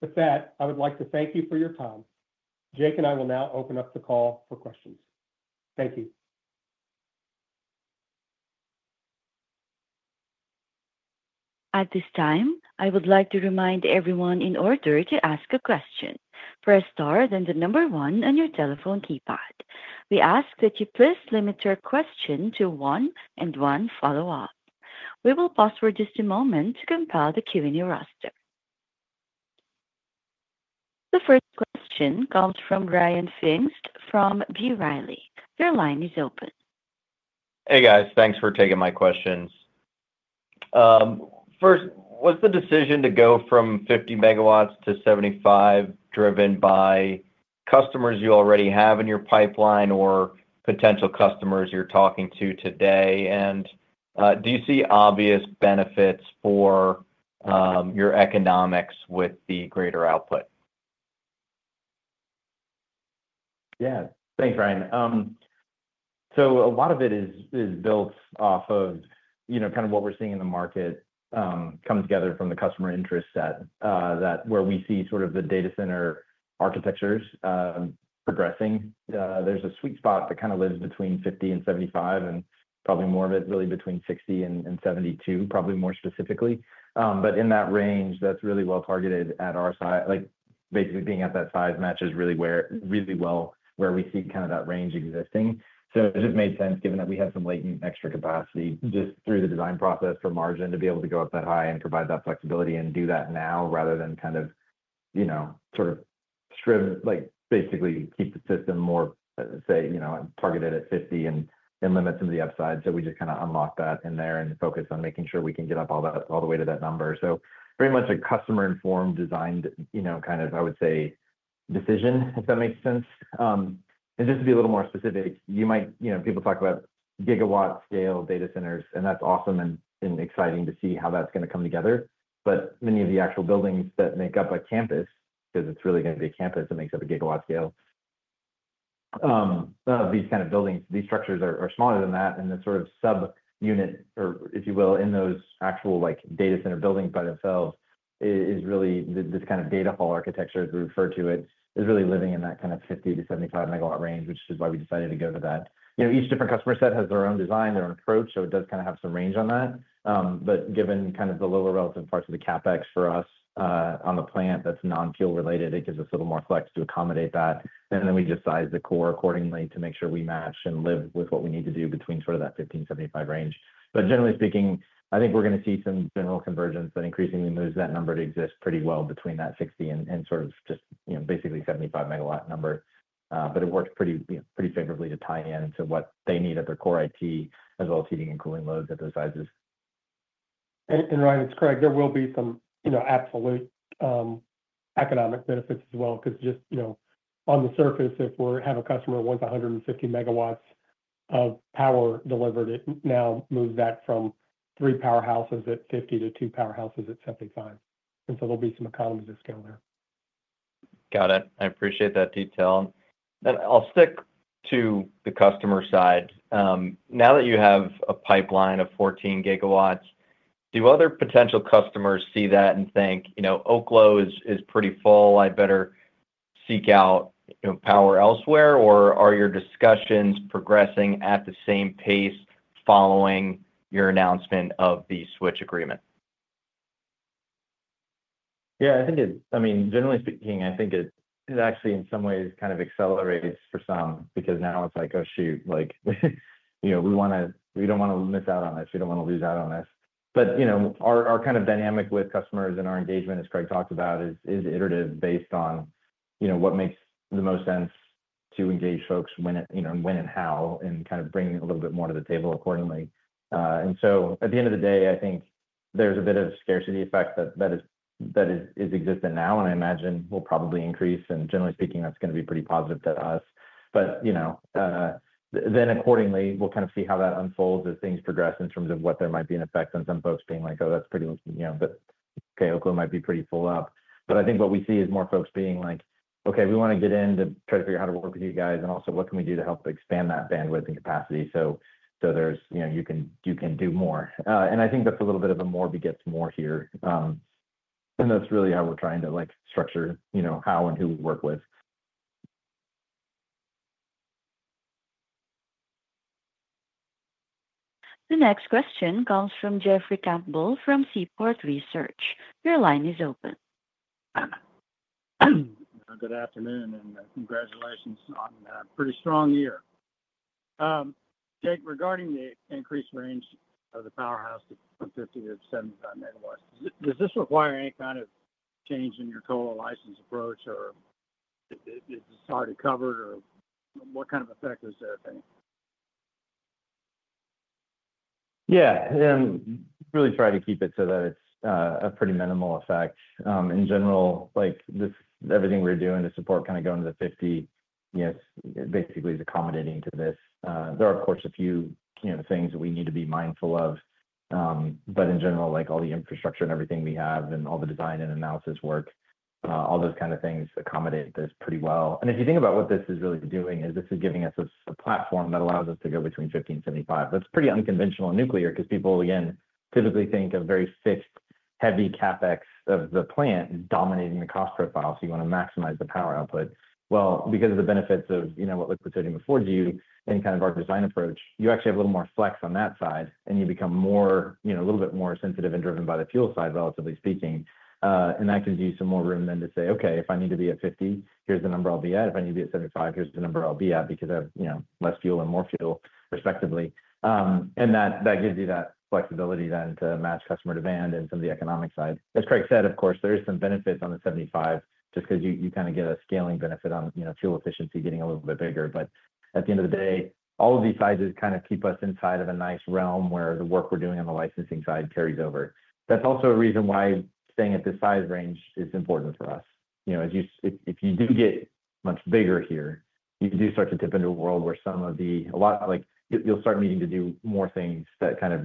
With that, I would like to thank you for your time. Jake and I will now open up the call for questions. Thank you. At this time, I would like to remind everyone, in order to ask a question, press star, then the number one on your telephone keypad. We ask that you please limit your question to one and one follow-up. We will pause for just a moment to compile the Q&A roster. The first question comes from Ryan Pfingst from B. Riley. Your line is open. Hey guys, thanks for taking my questions. First, was the decision to go from 50 MW to 75 MW driven by customers you already have in your pipeline or potential customers you're talking to today? Do you see obvious benefits for your economics with the greater output? Yeah, thanks, Ryan. A lot of it is built off of, you know, kind of what we're seeing in the market, come together from the customer interest set that where we see sort of the data center architectures progressing. There's a sweet spot that kind of lives between 50 MW and 75 MW, and probably more of it really between 60 MW and 72 MW, probably more specifically. In that range, that's really well targeted at our site, like basically being at that size matches really well where we see kind of that range existing. It just made sense given that we have some latent extra capacity just through the design process for margin to be able to go up that high and provide that flexibility and do that now rather than kind of, you know, sort of trim, like basically keep the system more, say, you know, targeted at 50 and limits of the upside. We just kind of unlock that in there and focus on making sure we can get up all that all the way to that number. Pretty much a customer-informed, designed, you know, kind of, I would say, decision if that makes sense. Just to be a little more specific, you might, you know, people talk about GW-scale data centers, and that is awesome and exciting to see how that is going to come together. Many of the actual buildings that make up a campus, because it's really going to be a campus that makes up a GW scale, these kind of buildings, these structures are smaller than that and the sort of sub unit or, if you will, in those actual like data center buildings by themselves is really this kind of data hall architecture as we refer to it, is really living in that kind of 50 MW-75 MW range, which is why we decided to go to that. You know, each different customer set has their own design, their own approach. It does kind of have some range on that, but given kind of the lower relative parts of the CapEx for us on the plant that's non-fuel related, it gives us a little more flex to accommodate that. We just size the core accordingly to make sure we match and live with what we need to do between sort of that 15 MW-75 MW range. Generally speaking, I think we're going to see some general convergence that increasingly moves that number to exist pretty well between that 60 MW and sort of just basically 75 MW number. It works pretty, pretty favorably to tie into what they need at their core, as well as heating and cooling loads at those sizes. Ryan, it's Craig. There will be some, you know, absolute economic benefits as well because just, you know, on the surface, if we have a customer wants 150 MW of power delivered, it now moves that from three powerhouses at 50 MW to two powerhouses at 75 MW. And so there'll be some economies of scale there. Got it. I appreciate that detail, and I'll stick to the customer side. Now that you have a pipeline of 14 GW, do other potential customers see that and think, you know, Oklo is pretty full, I better seek out power elsewhere? Or are your discussions progressing at the same pace following your announcement of the Switch agreement? Yeah, I think, I mean, generally speaking, I think it actually in some ways kind of accelerates for some because now it's like, oh shoot, like, you know, we want to, we don't want to miss out on this. You don't want to lose out on this. You know, our kind of dynamic with customers and our engagement, as Craig talked about, is iterative based on, you know, what makes the most sense to engage folks when you know, when and how, and kind of bring a little bit more to the table accordingly. At the end of the day, I think there's a bit of scarcity effect that is existent now, and I imagine will probably increase. Generally speaking, that's going to be pretty positive to us. You know, then accordingly we'll kind of see how that unfolds as things progress. In terms of what there might be, an effect on some folks being like, oh, that's pretty, you know, but okay, Oklo might be pretty full up. I think what we see is more folks being like, okay, we want to get in to try to figure out how to work with you guys. Also, what can we do to help expand that bandwidth and capacity? There is, you know, you can do more. I think that's a little bit of a more begets more here. That's really how we're trying to, like, structure, you know, how and who we work with. The next question comes from Jeffrey Campbell from Seaport Research. Your line is open. Good afternoon and congratulations on pretty strong year. Jake, regarding the increased range of the powerhouse from 50 MW-75 MW, does this require any kind of change in your total license approach, or is this already covered, or what kind of effect is there? Yeah, and really try to keep it so that it's a pretty minimal effect in general, like this. Everything we're doing to support kind of going to the 50 MW. Yes. Basically is accommodating to this. There are, of course, a few things that we need to be mindful of, but in general, like all the infrastructure and everything we have and all the design and analysis work, all those kind of things accommodate this pretty well. If you think about what this is really doing, is this is giving us a platform that allows us to go between 50 MW and 75 MW. That's pretty unconventional nuclear, because people, again, typically think of very fixed, heavy CapEx of the plant dominating the cost profile. You want to maximize the power output. Because of the benefits of, you know, what liquid sodium affords you, in kind of our design approach, you actually have a little more flex on that side and you become more, you know, a little bit more sensitive and driven by the fuel side, relatively speaking. That gives you some more room then to say, okay, if I need to be at 50 MW, here's the number I'll be at. If I need to be at 75 MW, here's the number I'll be at. Because I have, you know, less fuel and more fuel, respectively, and that gives you that flexibility then to match customer demand. Some of the economic side, as Craig said, of course, there is some benefits on the 75 MW just because you kind of get a scaling benefit on fuel efficiency getting a little bit bigger. At the end of the day, all of these sizes kind of keep us inside of a nice realm where the work we're doing on the licensing side carries over. That's also a reason why staying at this size range is important for us. You know, as you. If you do get much bigger here, you do start to dip into a world where some of the, a lot like you'll start needing to do more things that kind of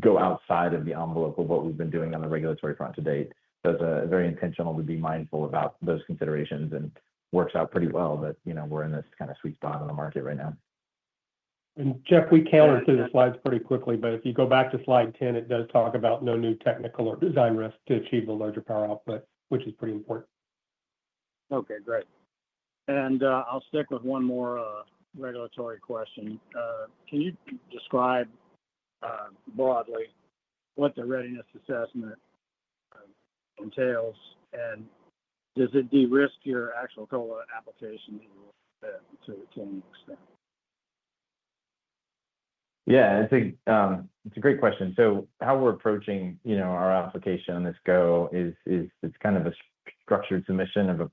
go outside of the envelope of what we've been doing on the regulatory front to date. Those are very intentional to be mindful about those considerations and works out pretty well. You know, we're in this kind of sweet spot on the market right now. Jeff, we counted through the slides pretty quickly, but if you go back to slide 10, it does talk about no new technical or design risk to achieve the larger power output, which is pretty important. Okay, great. I'll stick with one more regulatory question. Can you describe broadly what the readiness assessment entails, and does it de-risk your actual COLA application to any extent? Yeah, it's a great question. How we're approaching, you know, our application on this go is it's kind of a structured submission of a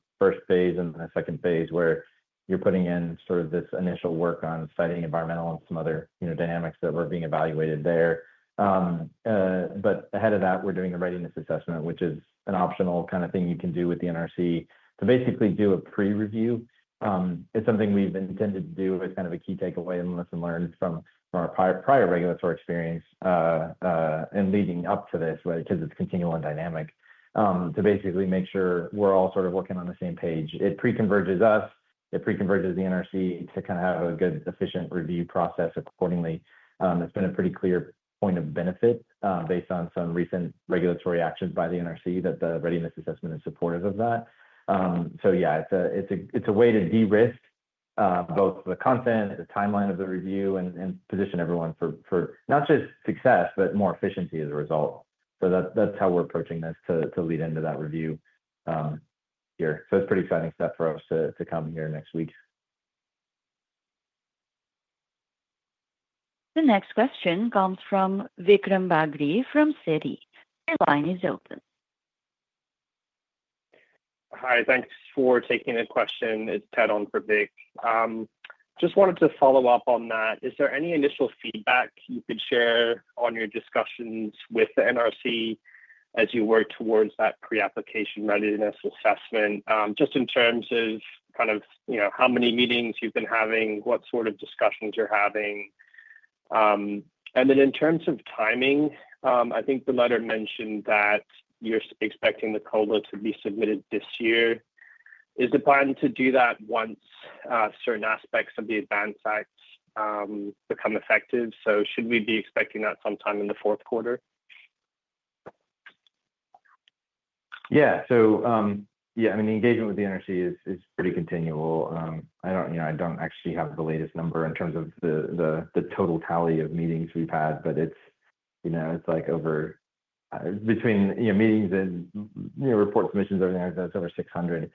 phase I and a phase II where you're putting in sort of this initial work on siting, environmental, and some other, you know, dynamics that were being evaluated there. Ahead of that, we're doing a readiness assessment, which is an optional kind of thing you can do with the NRC to basically do a pre-review. It's something we've intended to do as kind of a key takeaway and lesson learned from our prior regulatory experience and leading up to this, because it's continual and dynamic to basically make sure we're all sort of working on the same page. It pre-converges us. It pre-converges the NRC to kind of have a good, efficient review process accordingly. That's been a pretty clear point of benefit based on some recent regulatory actions by the NRC, that the readiness assessment is supportive of that. Yeah, it's a way to de-risk both the content, the timeline of the review, and position everyone for not just success, but more efficiency as a result. That's how we're approaching this to lead into that review here. It's pretty exciting stuff for us to come here next week. The next question comes from Vikram Bagri from Citi. Your line is open. Hi, thanks for taking a question. It's Ted on for Vic. Just wanted to follow up on that. Is there any initial feedback you could share on your discussions with the NRC? As you work towards that pre-application readiness assessment? Just in terms of, kind of, you know, how many meetings you've been having, what sort of discussions you're having. In terms of timing, I. Think the letter mentioned that you're expecting the COLA to be submitted this year. Is the plan to do that once. Certain aspects of the ADVANCE Act become effective. Should we be expecting that sometime? In the Q4? Yeah, so, yeah, I mean, the engagement with the NRC is pretty continual. I don't, you know, I don't actually have the latest number in terms of the total tally of meetings we've had, but it's, you know, it's like over between meetings and report submissions, everything. That's over 600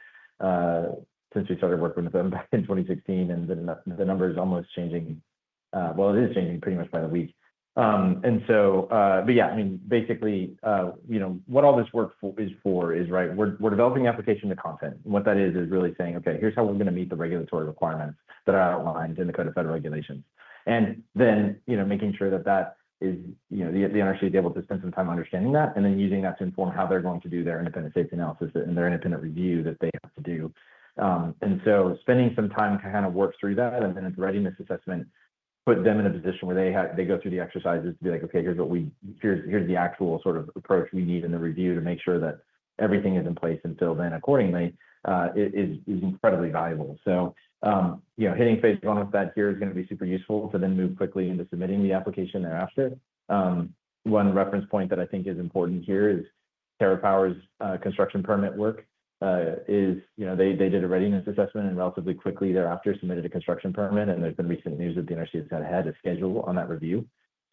since we started working with them back in 2016. And the number is almost changing. It is changing pretty much by the week. Yeah, I mean, basically, you know, what all this work is for is, right, we're developing application to Content. What that is is really saying, okay, here's how we're going to meet the regulatory requirements that are outlined in the Code of Federal Regulations. You know, making sure that that is, you know, the NRC is able to spend some time understanding that and then using that to inform how they're going to do their independent safety analysis and their independent review that they have to do. Spending some time to kind of work through that and then at the readiness assessment put them in a position where they go through the exercises to be like, okay, here's what we, here's, here's the actual sort of approach we need in the review to make sure that everything is in place and filled in accordingly is incredibly valuable. You know, hitting phase I with that here is going to be super useful to then move quickly into submitting the application thereafter. One reference point that I think is important here is Terraform's construction permit work is, you know, they did a readiness assessment and relatively quickly thereafter submitted a construction permit. There's been recent news that the NRC has had a schedule on.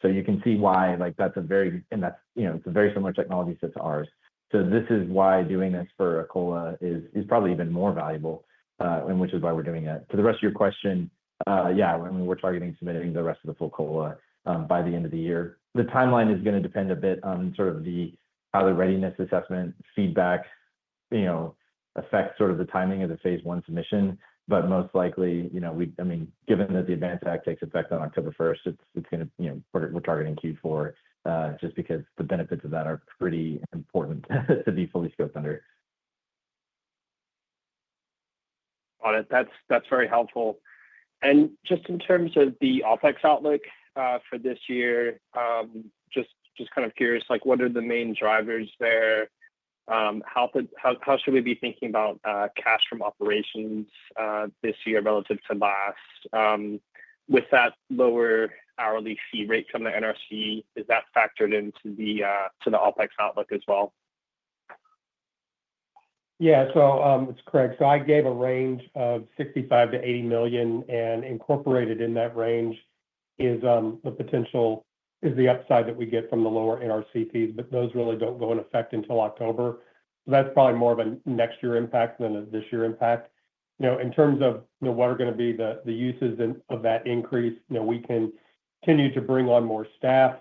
You can see why, like, that's a very, and that's, you know, it's a very similar technology set to ours. This is why doing this for a COLA is probably even more valuable, which is why we're doing it. To the rest of your question, yeah, we're targeting submitting the rest of the full COLA by the end of the year. The timeline is going to depend a bit on sort of how the readiness assessment feedback, you know, affects sort of the timing of the phase I submission. Most likely, you know, we, I mean, given that the ADVANCE Act takes effect on October 1st, it's gonna, you know, we're targeting Q4 just because the benefits of that are pretty important to be fully scoped under. Got it. That's very helpful. Just in terms of the OpEx outlook for this year, just kind of. Curious, like, what are the main drivers there? How should we be thinking about cash from operations this year relative to last? With that lower hourly fee rate from the NRC? Is that factored into the OpEx outlook as well? Yeah, so it's Craig. So I gave a range of $65 million-$80 million. And incorporated in that range is the potential, is the upside that we get from the lower NRC fees. But those really do not go in effect until October. That is probably more of a next year impact than a this year impact. You know, in terms of what are going to be the uses of that increase, now we can continue to bring on more staff.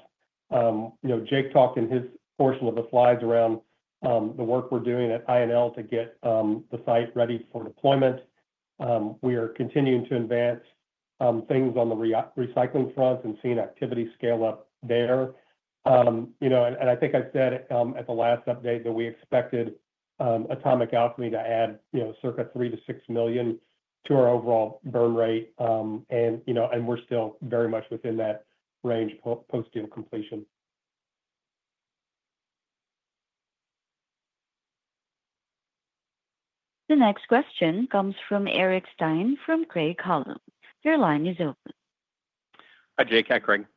You know, Jake talked in his portion of the slides around the work we are doing at INL to get the site ready for deployment. We are continuing to advance things on the recycling front and seeing activity scale up there. You know, I think I said at the last update that we expected Atomic Alchemy to add, you know, circa $3 million-$6 million to our overall burn rate. You know, we're still very much within that range post-deal completion. The next question comes from Eric Stine from Craig-Hallum. Your line is open. Hi, Jake. Hi, Craig.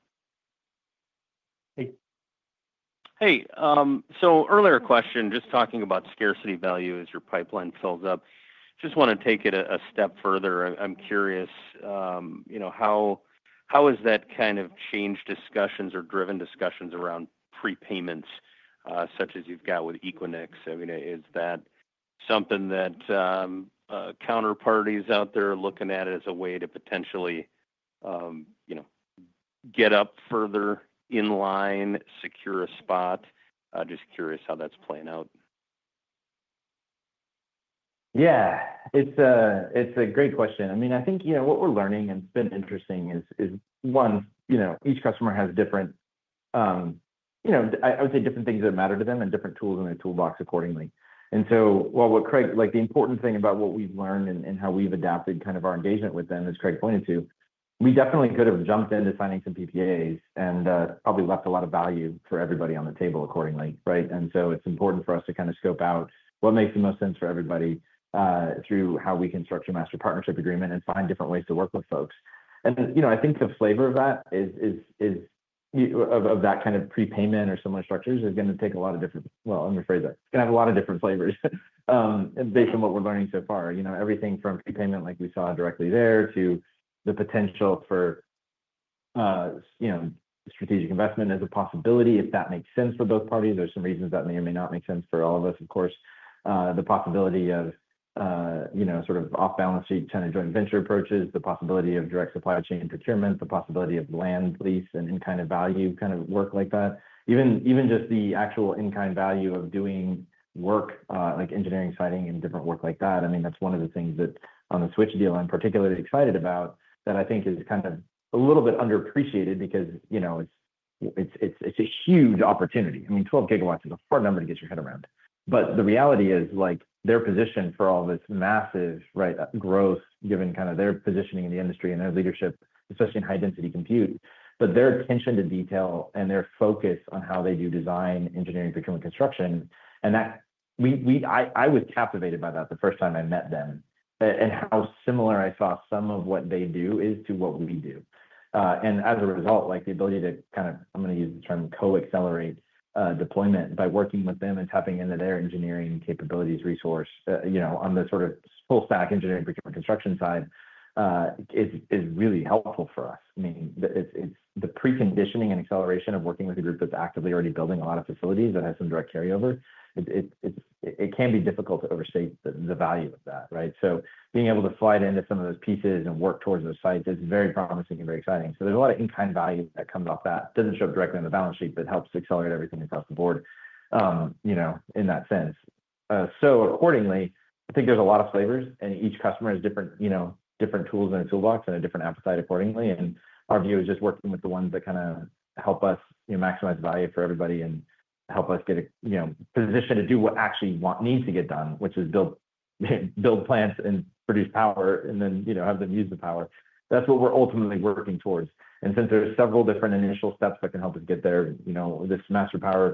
Hey. Hey. Earlier question, just talking about scarcity value as your pipeline fills up. Just want to take it a step further. I'm curious, you know, how has that kind of changed discussions or driven discussions around prepayments, such as you've got with Equinix? I mean, is that something that counterparties out there are looking at as a way to potentially, you know, get up further in line, secure a spot. Just curious how that's playing out. Yeah, it's a great question. I mean, I think, you know, what we're learning and it's been interesting is one, you know, each customer has different, you know, I would say different things that matter to them and different tools in their toolbox accordingly. While what Craig, like the important thing about what we've learned and how we've adapted kind of our engagement with them, as Craig pointed to, we definitely could have jumped into signing some PPAs and probably left a lot of value for everybody on the table accordingly. Right. It is important for us to kind of scope out what makes the most sense for everybody through how we can structure Master Partnership Agreement and find different ways to work with folks. You know, I think the flavor of that is of that kind of prepayment or similar structures is going to take a lot of different. I'm going to phrase that, it's going to have a lot of different flavors based on what we're learning so far. You know, everything from prepayment like we saw directly there, to the potential for, you know, strategic investment as a possibility if that makes sense for both parties. There's some reasons that may or may not make sense for all of us. Of course, the possibility of, you know, sort of off-balance sheet kind of joint venture approaches, the possibility of direct supply chain procurement, the possibility of land lease, and in-kind of value kind of work like that. Even, even just the actual in-kind value of doing work like engineering siting and different work like that. I mean, that's one of the things that the Switch deal I'm particularly excited about that I think is kind of a little bit underappreciated because, you know, it's, it's, it's a huge opportunity. I mean, 12 GW is a hard number to get your head around. The reality is like their position for all this massive, right, growth given kind of their positioning in the industry and their leadership, especially in high-density compute, but their attention to detail and their focus on how they do design, engineering, procurement, construction, and that we. I was captivated by that the first time I met them and how similar I saw some of what they do is to what we do and as a result like the ability to kind of, I'm going to use the term co-accelerate deployment by working with them and tapping into their engineering capabilities resource, you know, on the sort of full stack engineering, procurement, construction side is really helpful for us. I mean, it's the preconditioning and acceleration of working with a group that's actively already building a lot of facilities that has some direct carryover. It can be difficult to overstate the value of that. Right. Being able to slide into some of those pieces and work towards those sites is very promising and very exciting. There is a lot of in-kind value that comes off that does not show up directly on the balance sheet but helps accelerate everything across the board, you know, in that sense. Accordingly, I think there are a lot of flavors, and each customer has different, you know, different tools in a toolbox and a different appetite accordingly. Our view is just working with the ones that kind of help us maximize value for everybody and help us get a position to do what actually needs to get done, which is build. Build plants and produce power, and then have them use the power. That is what we are ultimately working towards. Since there are several different initial steps that can help us get there, this Master Power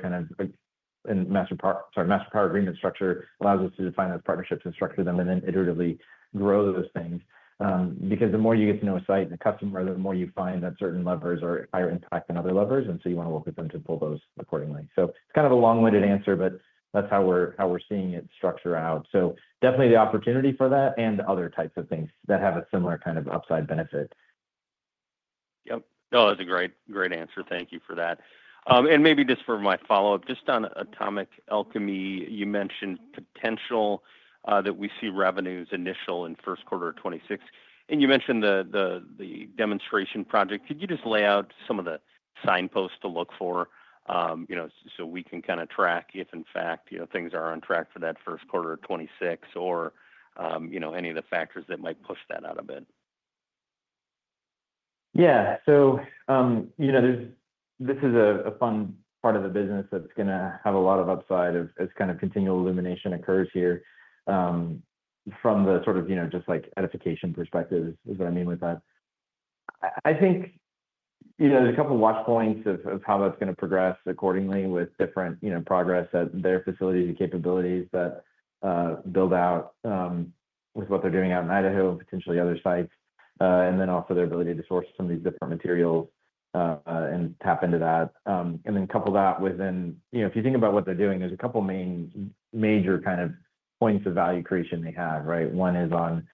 Agreement structure allows us to define those partnerships and structure them, and then iteratively grow those things. The more you get to know a site and a customer, the more you find that certain levers are higher impact than other levers, and you want to work with them to pull accordingly. It is kind of a long-winded answer, but that is how we are seeing it structured out. There is definitely the opportunity for that and other types of things that have a similar kind of upside benefit. Yep, that was a great, great answer. Thank you for that. Maybe just for my follow up. Just on Atomic Alchemy, you mentioned potential that we see revenues initial in Q1 2026, and you mentioned the demonstration project. Could you just lay out some of the signposts to look for, you know, so we can kind of track if in fact, you know, things are on track for that 1Q 26 or you know, any of the factors that might push that out a bit. Yeah, you know, there's. This is a fun part of the business that's going to have a lot of upside as kind of continual illumination occurs here from the sort of, you know, just like edification perspective is what I mean with that. I think, you know, there's a couple watch points of how that's going to progress accordingly with different, you know, progress at their facilities and capabilities that build out with what they're doing out in Idaho, potentially other sites, and then also their ability to source some of these different materials and tap into that and then couple that within. You know, if you think about what they're doing, there's a couple main major kind of points of value creation they have. Right. One is on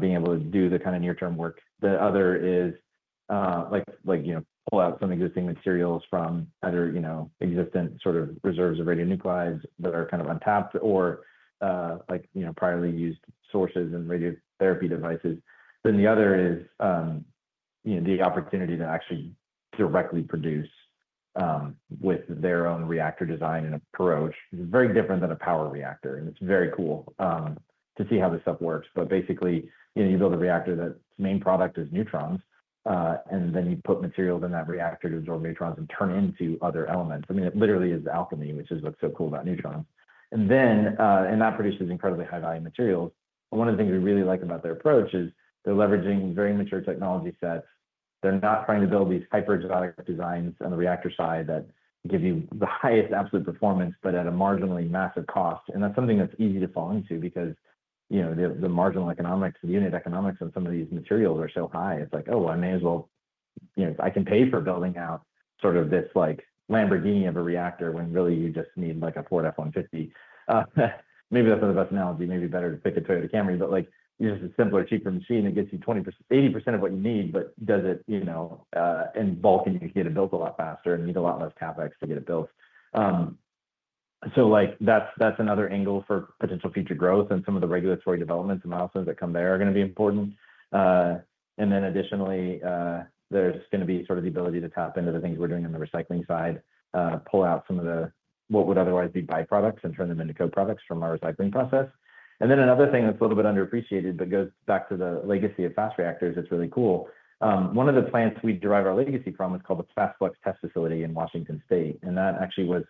being able to do the kind of near-term work. The other is like, like you know, pull out some existing materials from other, you know, existent sort of reserves of radionuclides that are kind of untapped or like, you know, priorly used sources and radiotherapy devices. The other is, you know, the opportunity to actually directly produce with their own reactor design and approach is very different than a power reactor. It is very cool to see how this stuff works. Basically, you build a reactor, that main product is neutrons, and then you put material in that reactor to absorb neutrons and turn into other elements. I mean it literally is alchemy, which is what's so cool about neutrons. That produces incredibly high-value materials. One of the things we really like about their approach is they're leveraging very mature technology sets. They're not trying to build these hyper-exotic designs on the reactor side that give you the highest absolute performance, but at a marginally massive cost. That's something that's easy to fall into because, you know, the marginal economics, the unit economics on some of these materials are so high it's like, oh, I may as well, you know, I can pay for building out sort of this like Lamborghini of a reactor when really you just need like a Ford F-150. Maybe that's not the best analogy. Maybe better to pick a Toyota Camry, but like use a simpler, cheaper machine that gets you 20%-80% of what you need, but does it, you know, in bulk and you get it built a lot faster and need a lot less CapEx to get it built. That's another angle for potential future growth. Some of the regulatory developments and milestones that come there are going to be important. Additionally, there is going to be sort of the ability to tap into the things we are doing on the recycling side, pull out some of what would otherwise be byproducts, and turn them into co-products from our recycling process. Another thing that is a little bit underappreciated, but goes back to the legacy of fast reactors, is really cool. One of the plants we derive our legacy from is called the Fast Flux Test Facility in Washington State. That actually was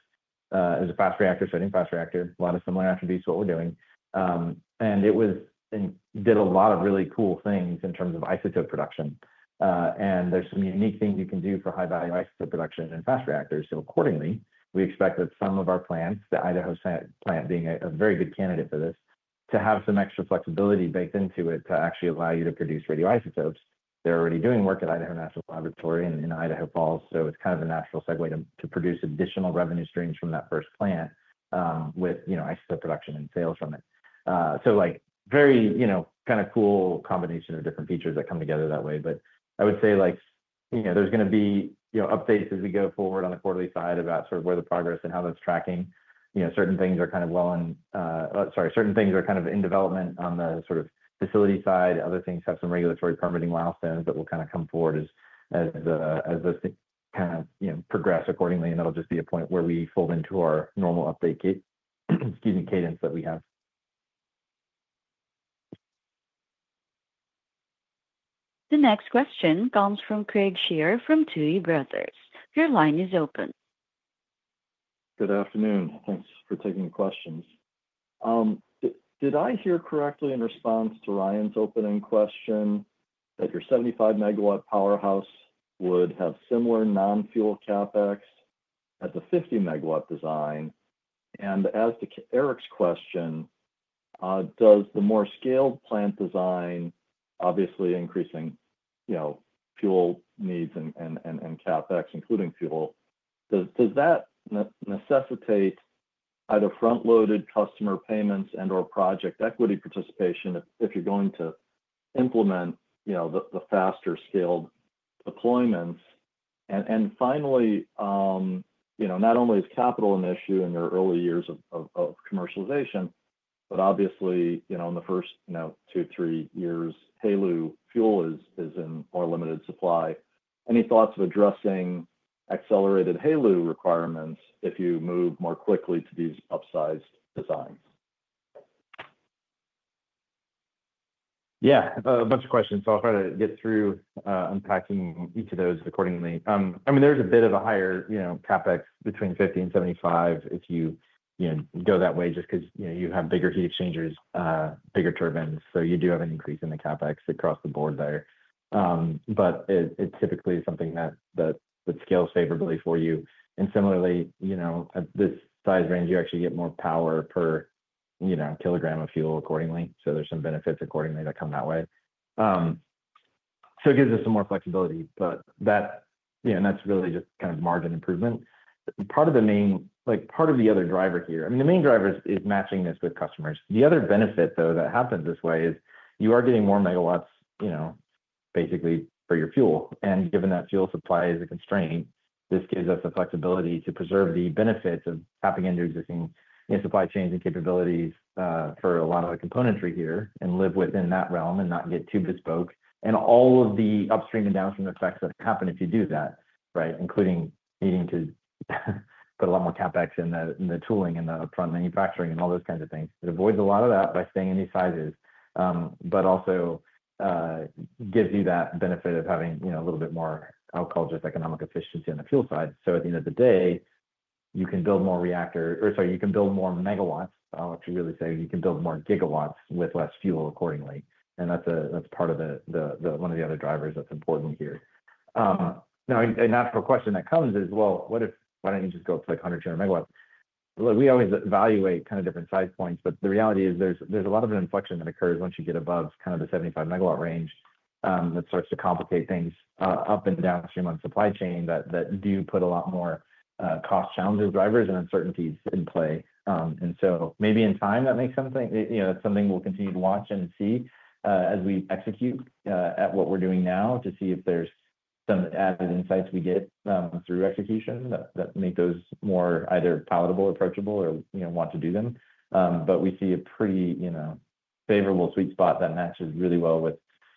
a fast reactor, starting fast reactor, a lot of similar attributes to what we are doing. It did a lot of really cool things in terms of isotope production. There are some unique things you can do for high-value isotope production in fast reactors. Accordingly, we expect that some of our plants, the Idaho plant being a very good candidate for this, to have some extra flexibility baked into it to actually allow you to produce radioisotopes. They're already doing work at Idaho National Laboratory and in Idaho Falls. It is kind of a natural segue to produce additional revenue streams from that first plant with, you know, ISO production and sales from it. Like, very, you know, kind of cool combination of different features that come together that way. I would say, like, you know, there's going to be, you know, updates as we go forward on the quarterly side about sort of where the progress, and how that's tracking. Certain things are kind of, sorry, certain things are kind of in development on the sort of facility side. Other things have some regulatory permitting milestones that will kind of come forward as those things kind of, you know, progress accordingly. It'll just be a point where we fold into our normal update, excuse me, cadence that we have. The next question comes from Craig Shere from Tuohy Brothers. Your line is open. Good afternoon. Thanks for taking questions. Did I hear correctly in response to Ryan's opening question that your 75 MW powerhouse would have similar non-fuel CapEx as the 50 MW design? As to Eric's question, does the more scaled plant design obviously increasing, you know, fuel needs and CapEx, including fuel, does that necessitate either front-loaded customer payments and or project equity participation if you're going to implement the faster scaled deployments? Finally, not only is capital an issue in your early years of commercialization, but, obviously, in the first two, three years, HALEU fuel is in more limited supply. Any thoughts of addressing accelerated HALEU requirements if you move more quickly to these upsized designs? Yeah, a bunch of questions. I'll try to get through unpacking each of those accordingly. I mean, there's a bit of a higher, you know, CapEx between 50 MW and 75 MW if you, you know, go that way just because, you know, you have bigger heat exchangers, bigger turbines. You do have an increase in the CapEx across the board there. It typically is something that would scale favorably for you. Similarly, you know, this size range, you actually get more power per, you know, kilogram of fuel accordingly. There are some benefits accordingly that come that way. It gives us some more flexibility. That, you know, that's really just kind of margin improvement. Part of the main, like part of the other driver here. I mean, the main driver is matching this with customers. The other benefit, though, that happens this way is you are getting more megawatts, you know, basically for your fuel. Given that fuel supply is a constraint, this gives us the flexibility to preserve the benefits of tapping into existing supply chains and capabilities for a lot of the componentry here and live within that realm and not get too bespoke and all of the upstream and downstream effects that happen if you do that right, including needing to put a lot more CapEx in the tooling and the upfront manufacturing and all those kinds of things. It avoids a lot of that by staying in these sizes, but also gives you that benefit of having a little bit more, actually just economic efficiency on the fuel side. At the end of the day, you can build more reactor, or you can build more megawatts. I'll actually really say you can build more gigawatts with less fuel accordingly. That's part of one of the other drivers that's important here. Now, a natural question that comes as well. What if. Why don't you just go to like 100 MW? We always evaluate kind of different size points, but the reality is there's a lot of an inflection that occurs once you get above kind of the 75 MW range. That starts to complicate things up and downstream on supply chain that do put a lot more cost challenges, drivers, and uncertainties in play. Maybe in time that makes something, you know, something we'll continue to watch and see as we execute at what we're doing now to see if there's some added insights we get through execution that make those more either palatable, approachable, or, you know, want to do them. We see a pretty, you know, favorable sweet spot that matches really well with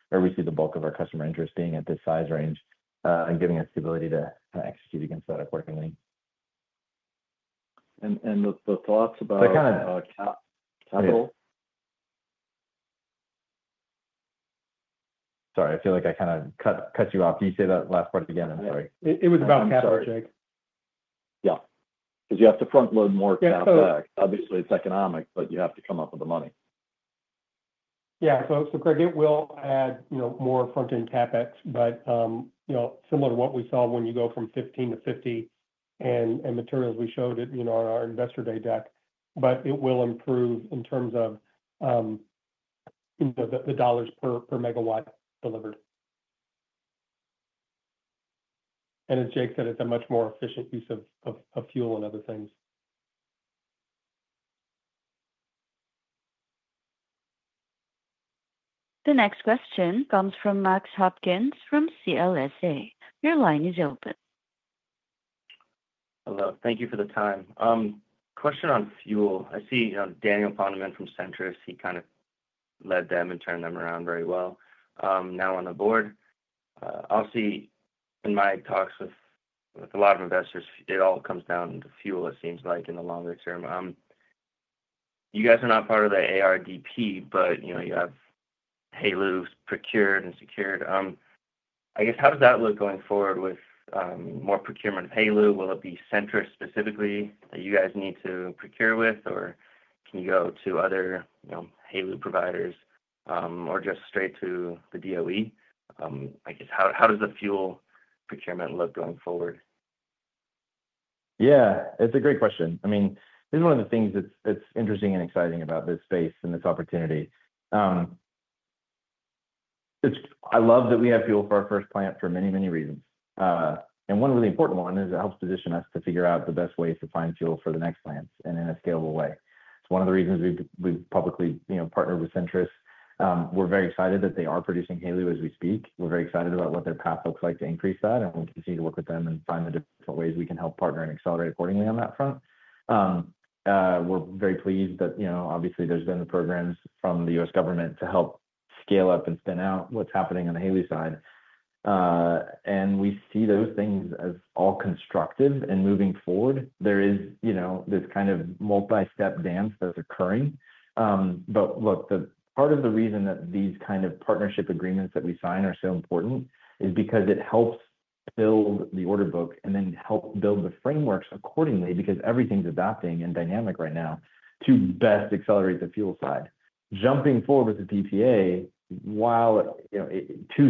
where we see the bulk of our customer interest at this size range, and giving us the ability to execute against that accordingly. The thoughts about capital. Sorry, I feel like I kind of cut you off. Could you say that last part again? I'm sorry. It was about capital, Jake. Yeah. Because you have to front-load more cash back. Obviously, it's economic, but you have to come up with the money. Yeah. Craig, it will add, you know, more front-end CapEx, but, you know, similar to what we saw when you go from 15 to 50 in materials, we showed it, you know, on our Investor Day Deck. It will improve in terms of the dollars per megawatt delivered. As Jake said, it is a much more efficient use of fuel and other things. The next question comes from Max Hopkins from CLSA. Your line is open. Hello. Thank you for the time question. On fuel, I see Daniel Poneman from Centrus. He kind of led them and turned them around very well. Now on the board, I'll see in my talks with a lot of investors, it all comes down to fuel. It seems like in the longer term, you guys are not part of the ARDP, but you have HALEU procured and secured, I guess. How does that look going forward with more procurement of HALEU? Will it be Centrus specifically that you guys need to procure with, or can you go to other HALEU providers or just straight to the DOE? I guess. How does the fuel procurement look going forward? Yeah, it's a great question. I mean, this is one of the things that's interesting and exciting about this space and this opportunity. I love that we have fuel for our first plant for many, many reasons. One really important one is it helps position us to figure out the best ways to find fuel for the next plants. In a scalable way, it's one of the reasons we've publicly partnered with Centrus. We're very excited that they are producing HALEU as we speak. We're very excited about what their path looks like to increase that and we'll continue to work with them and find the different ways we can help partner and accelerate accordingly on that front. We're very pleased that, you know, obviously, there's been the programs from the U.S. government to help scale up and spin out what's happening on the HALEU side. We see those things as all constructive and moving forward. There is, you know, this kind of multi-step dance that's occurring. Look, the part of the reason that these kind of Partnership Agreements that we sign are so important is because it helps build the order book and then help build the frameworks accordingly, because everything's adapting and dynamic right now to best accelerate the fuel side jumping forward with the PPA, while, you know, too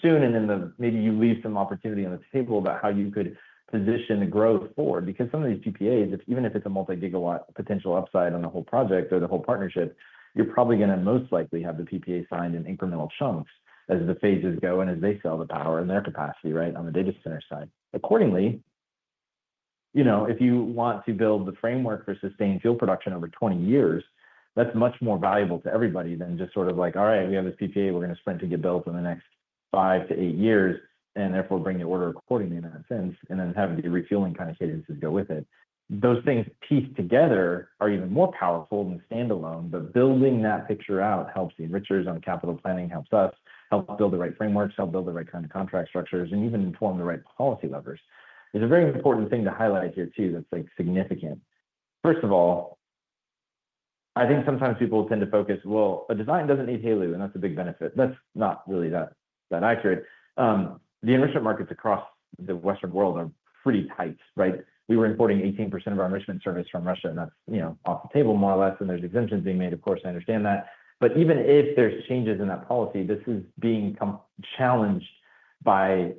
soon. Then maybe you leave some opportunity on the table about how you could position the growth forward. Because some of these PPAs, even if it's a multi-gigawatt potential upside on the whole project or the whole partnership, you're probably going to most likely have the PPA signed in incremental chunks as the phases go and as they sell the power and their capacity right on the data center side accordingly. You know, if you want to build the framework for sustained fuel production over 20 years, that's much more valuable to everybody than just sort of like, all right, we have this PPA, we're going to sprint to get built in the next five to eight years, and therefore bring the order accordingly in that sense. Having the refueling kind of cadences go with it, those things pieced together are even more powerful than Standalone. Building that picture out helps the enrichers on capital planning, helps us help build the right frameworks, help build the right kind of contract structures, and even inform the right policy levers is a very important thing to highlight here too. That's, like, significant. First of all, I think sometimes people tend to focus, well, a design does not need HALEU, and that's a big benefit. That's not really that accurate. The enrichment markets across the Western world are pretty tight, right? We were importing 18% of our enrichment service from Russia, and that's, you know, off the table, more or less, and there's exemptions being made. Of course, I understand that. Even if there's changes in that policy, this is being challenged by,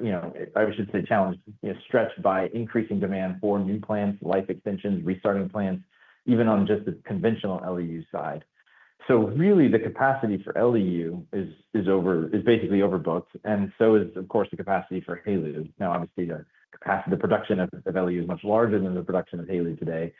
you know, I should say challenged, stretched by increasing demand for new plants, life extensions, restarting plants, even on just the conventional LEU side. Really, the capacity for LEU is basically overbooked, and so is, of course, the capacity for HALEU. Obviously the capacity, the production of LEU is much larger than the production of HALEU today.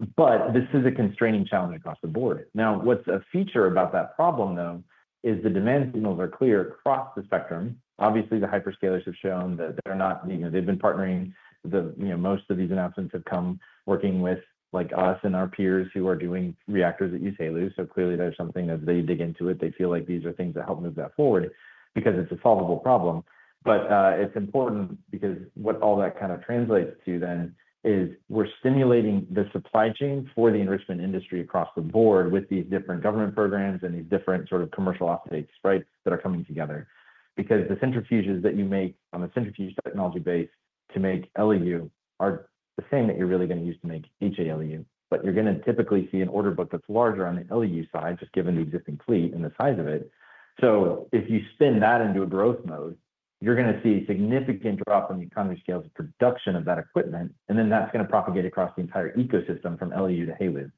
This is a constraining challenge across the board. What's a feature about that problem, though, is the demand signals are clear across the spectrum. Obviously the hyperscalers have shown that they're not, you know, they've been partnering, you know, most of these announcements have come working with, like, us and our peers who are doing reactors at Oklo. Clearly there's something, as they dig into it, they feel like these are things that help move that forward because it's a solvable problem. It's important because what all that kind of translates to then is we're stimulating the supply chain for the enrichment industry across the board with these different government programs and these different sort of commercial offtakes, right, that are coming together because the centrifuges that you make on the centrifuge technology base to make HALEU are the same that you're really going to use to make each HALEU. You're going to typically see an order book that's larger on the side, just given the existing fleet and the size of it. If you spin that into a growth mode, you're going to see significant drop on the economy scales, production of that equipment, and then that's going to propagate across the entire ecosystem from LEU to HALEU.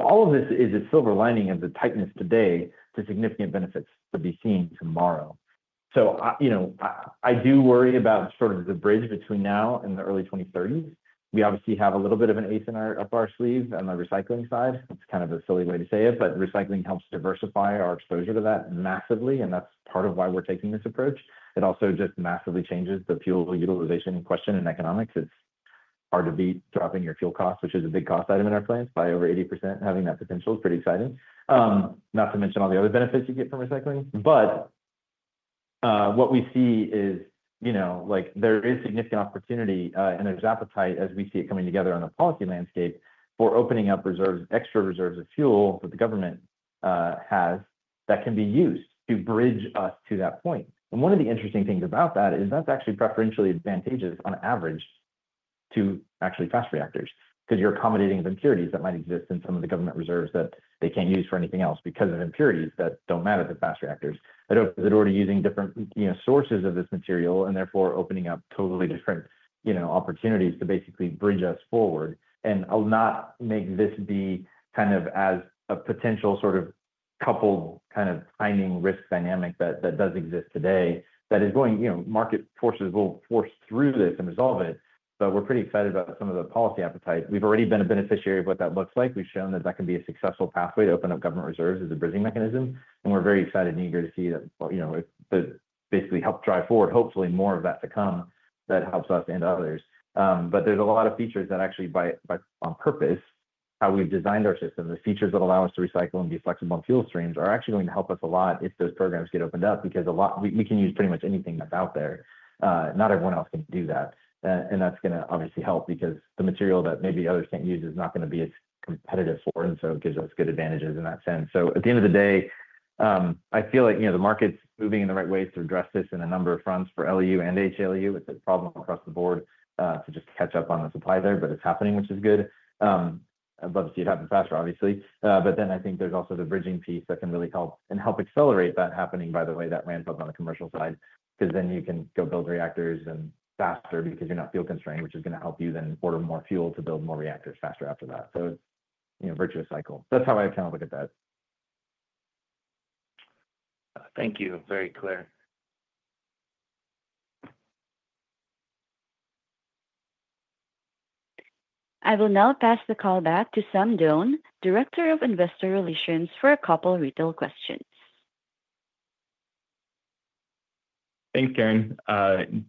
All of this is a silver lining of the tightness today to significant benefits to be seen tomorrow. You know, I do worry about sort of the bridge between now and the early 2030s. We obviously have a little bit of an ace up our sleeve on the recycling side. It's kind of a silly way to say it, but recycling helps diversify our exposure to that massively. That's part of why we're taking this approach. It also just massively changes the fuel utilization question and economics. It's hard to be dropping your fuel cost, which is a big cost item in our plants, by over 80%. Having that potential is pretty exciting, not to mention all the other benefits you get from recycling. What we see is, you know, like there is significant opportunity and there's appetite, as we see it coming together on the policy landscape, for opening up reserves, extra reserves of fuel that the government has that can be used to bridge us to that point. One of the interesting things about that is that's actually preferentially advantageous on average to actually fast reactors, because you're accommodating the impurities that might exist in some of the government reserves that they can't use for anything else because of impurities that don't matter. The fast reactors are already using different sources of this material and therefore opening up totally different opportunities to basically bridge us forward. I'll not make this be kind of as a potential sort of coupled kind of finding risk dynamic that does exist today that is going, you know, market forces will force through this and resolve it. We're pretty excited about some of the policy appetite. We've already been a beneficiary of what that looks like. We've shown that that can be a successful pathway to open up government reserves as a bridging mechanism. We're very excited and eager to see that, you know, basically help drive forward, hopefully more of that to come that helps us and others. There's a lot of features that actually by. By on purpose how we've designed our system, the features that allow us to recycle and be flexible on fuel streams are actually going to help us a lot if those programs get opened up, because a lot we can use pretty much anything that's out there. Not everyone else can do that. That's going to obviously help because the material that maybe others can't use is not going to be as competitive for. It gives us good advantages in that sense. At the end of the day, I feel like, you know, the market's moving in the right ways to address this in a number of fronts. For LEU and HALEU, it's a problem across the board to just catch up on the supply there, but it's happening, which is good. I'd love to see it happen faster, obviously, but then I think there's also the bridging piece that can really help and help accelerate that happening by the way, that ramp up on the commercial side because then you can go build reactors faster because you're not fuel constrained, which is going to help you then order more fuel to build more reactors faster after that. Virtuous cycle. That's how I kind of look at that. Thank you. Very clear. I will now pass the call back to Sam Doane, Director of Investor Relations, for a couple retail questions. Thanks, Karen.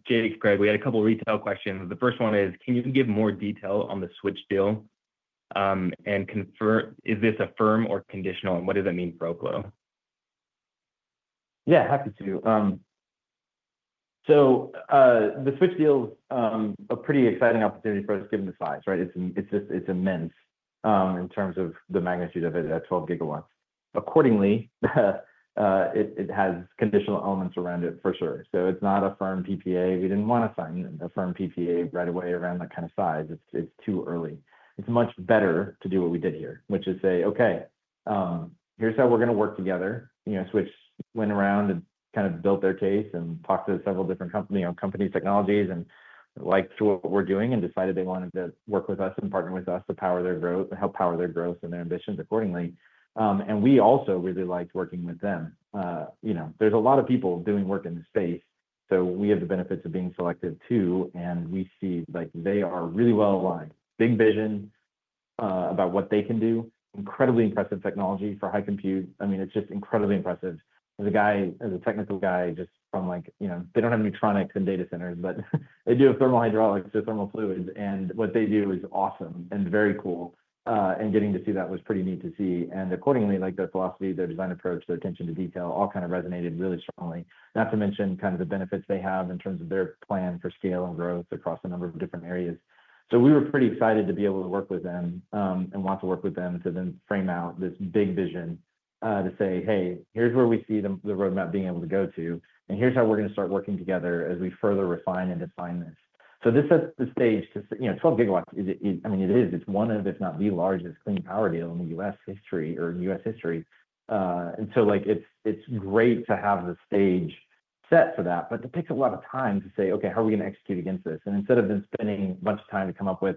Jake, Craig, we had a couple retail questions. The first one is, can you give more detail on the Switch deal and confirm is this a firm or conditional, and what does that mean for Oklo? Yeah, happy to. The Switch deal is a pretty exciting opportunity for us given the size. Right. It's, it's just, it's immense in terms of the magnitude of it at 12 GW. Accordingly it has conditional elements around it for sure. It's not a firm PPA. We didn't want to sign a firm PPA right away around that kind of size. It's, it's too early. It's much better to do what we did here which is say okay, here's how we're going to work together. You know, Switch went around and kind of built their case and talked to several different companies on companies' technologies and like what we're doing and decided they wanted to work with us and partner with us to power their growth and help power their growth and their ambitions accordingly. You know there's a lot of people doing work in the space, so we have the benefits of being selective too, and we see like they are really well aligned, big vision about what they can do. Incredibly impressive technology for high compute. I mean, it's just incredibly impressive as a guy, as a technical guy, just from, like, you know, they don't have any tronics and data centers, but they do have thermal hydraulics to thermal fluids, and what they do is awesome and very cool, and getting to see that was pretty neat to see. Accordingly, like their philosophy, their design approach, their attention to detail all kind of resonated really strongly. Not to mention kind of the benefits they have in terms of their plan for scale and growth across a number of different areas. We were pretty excited to be able to work with them and want to work with them to then frame out this big vision to say hey, here's where we see the roadmap being able to go to, and here's how we're going to start working together as we further refine and define this. This sets the stage because, you know, 12 GW, I mean, it is, it's one of, if not the largest, clean power deal in U.S. history. Like it's, it's great to have the stage set for that, but it takes a lot of time to say, okay, how are we going to execute against this? Instead of spending a bunch of time to come up with,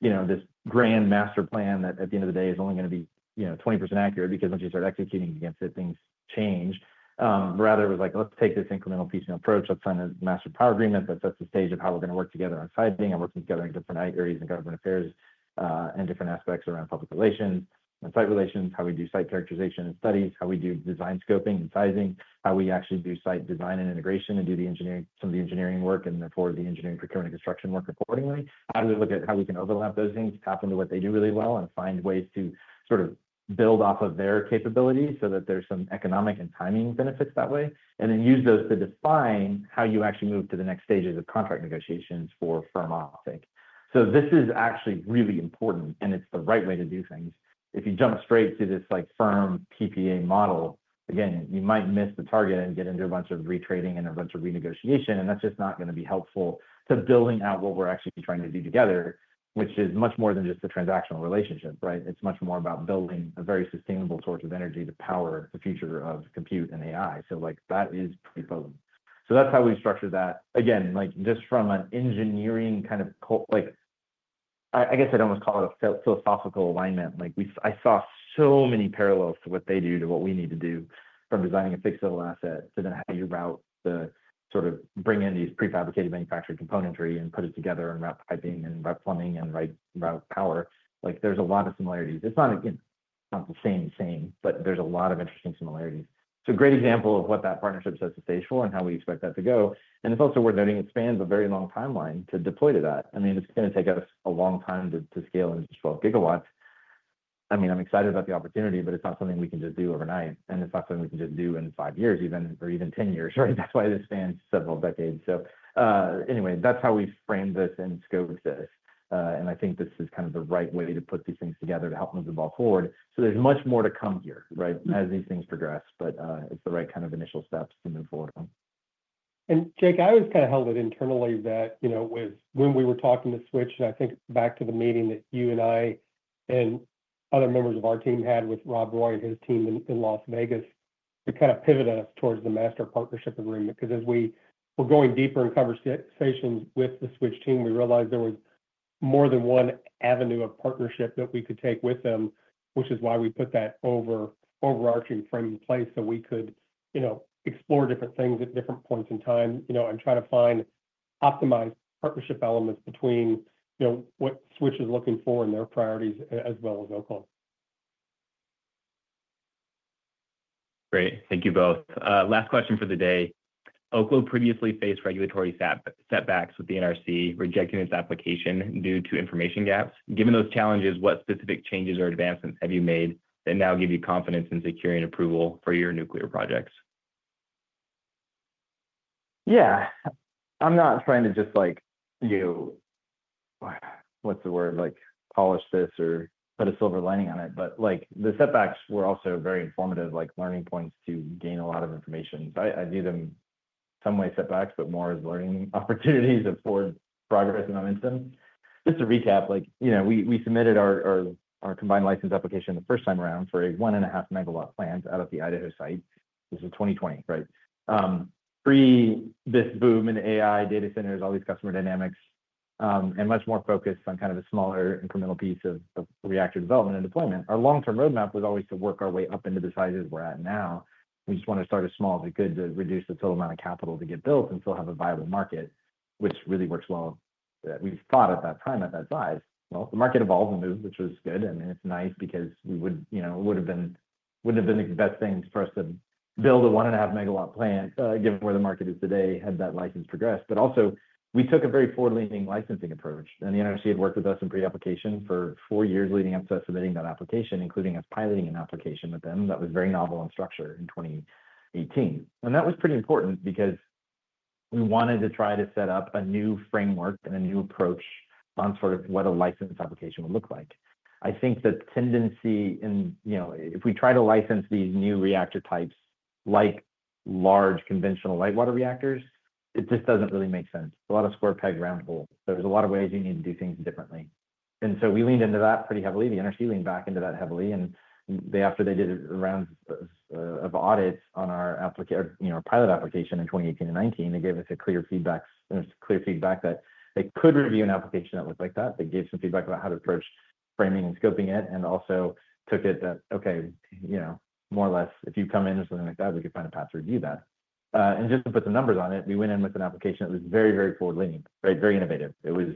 you know, this grand master plan that at the end of the day is only going to be, you know, 20% accurate because once you start executing against it, things change. Rather, it was like, let's take this incremental piecemeal approach. Let's sign a Master Power Agreement that sets the stage of how we're going to work together on siting and working together in different areas and government affairs, and different aspects around public relations and site relations. How we do site characterization and studies, how we do design scoping and sizing, how we actually do site design and integration and do the engineering, some of the engineering work and therefore the engineering procurement, construction work accordingly, how we look at how we can overlap those things, tap into what they do really well and find ways to sort of build off of their capabilities so that there's some economic and timing benefits that way and then use those to define how you actually move to the next stages of contract negotiations for firm optic. This is actually really important, and it's the right way to do things. If you jump straight to this like firm PPA model again, you might miss the target and get into a bunch of retrading and a bunch of renegotiation and that's just not going to be helpful to building out what we're actually trying to do together. Which is much more than just the transactional relationship, right? It's much more about building a very sustainable source of energy to power the future of compute and AI. Like that is pretty potent. That's how we structured that again like just from an engineering kind of like I guess I'd almost call it a philosophical alignment. Like we, I saw so many parallels to what they do to what we need to do from designing a fixed level asset to then how you route the sort of bring in these prefabricated manufactured componentry and put it together, and route piping and rep plumbing and right about power. Like there's a lot of similarities. It's not again not the same same but there's a lot of interesting similarities. Great example of what that partnership says to stage for and how we expect that to go. It's also worth noting it spans a very long timeline to deploy to that. I mean, it's going to take us a long time to scale into 12 GW. I mean, I'm excited about the opportunity, but it's not something we can just do overnight, and it's not something we can just do in five years, even, or even 10 years. Right. That's why this spans several decades. Anyway, that's how we frame this and scope this. I think this is kind of the right way to put these things together to help move the ball forward. There's much more to come here, right, as these things progress. It's the right kind of initial steps to move forward. Jake, I always kind of held it internally that, you know, when we were talking to Switch and I think back to the meeting that you and I and other members of our team had with Rob Roy and his team in Las Vegas. It kind of pivoted us towards the Master Partnership Agreement because as we were going deeper in conversations with the Switch team, we realized there was more than one avenue of partnership that we could take with them, which is why we put that overarching frame in place so we could, you know, explore different things at different points in time, you know, and try to find optimized partnership elements between, you know, what Switch is looking for and their priorities as well as Oklo. Great. Thank you both. Last question for the day. Oklo previously faced regulatory setbacks with the NRC rejecting its application due to information gaps. Given those challenges, what specific changes or advancements have you made that now give you confidence in securing approval for your nuclear projects? Yeah, I'm not trying to just like, you know, what's the word? Like polish this or put a silver lining on it. The setbacks were also very informative, like learning points to gain a lot of information. I do them some way. Setbacks, but more as learning opportunities afford progress and momentum. Just to recap, like, you know, we submitted our Combined License application the first time around for a 1.5 MW plant out of the Idaho site. This is 2020, right? Pre this boom in AI data centers, all these customer dynamics and much more focused on kind of a smaller incremental piece of reactor development and deployment. Our long term roadmap was always to work our way up into the sizes we're at now. We just want to start as small as we could to reduce the total amount of capital to get built and still have a viable market, which really works well, that we thought at that time, at that size. The market evolved and moved, which was good. I mean, it's nice because we would, you know, it would have been, wouldn't have been the best thing for us to build a 1.5 MW plant, given where the market is today, had that license progressed. We took a very forward-leaning licensing approach, and the NRC had worked with us in pre-application for four years leading up to submitting that application, including us piloting an application with them that was very novel in structure in 2018. That was pretty important because we wanted to try to set up a new framework and a new approach on sort of what a license application would look like. I think the tendency, and you know, if we try to license these new reactor types, like large conventional light water reactors, it just does not really make sense. A lot of square peg, round hole. There are a lot of ways you need to do things differently. We leaned into that pretty heavily. The NRC leaned back into that heavily. After they did rounds of audits on our application, you know, our pilot application in 2018 and 2019, they gave us clear feedback, clear feedback that they could review an application that looked like that. They gave some feedback about how to approach framing and scoping it and also took it that okay, you know, more or less, if you come in or something like that, we could find a path to review that. Just to put some numbers on it, we went in with an application that was very, very forward-leaning, right, very innovative. It was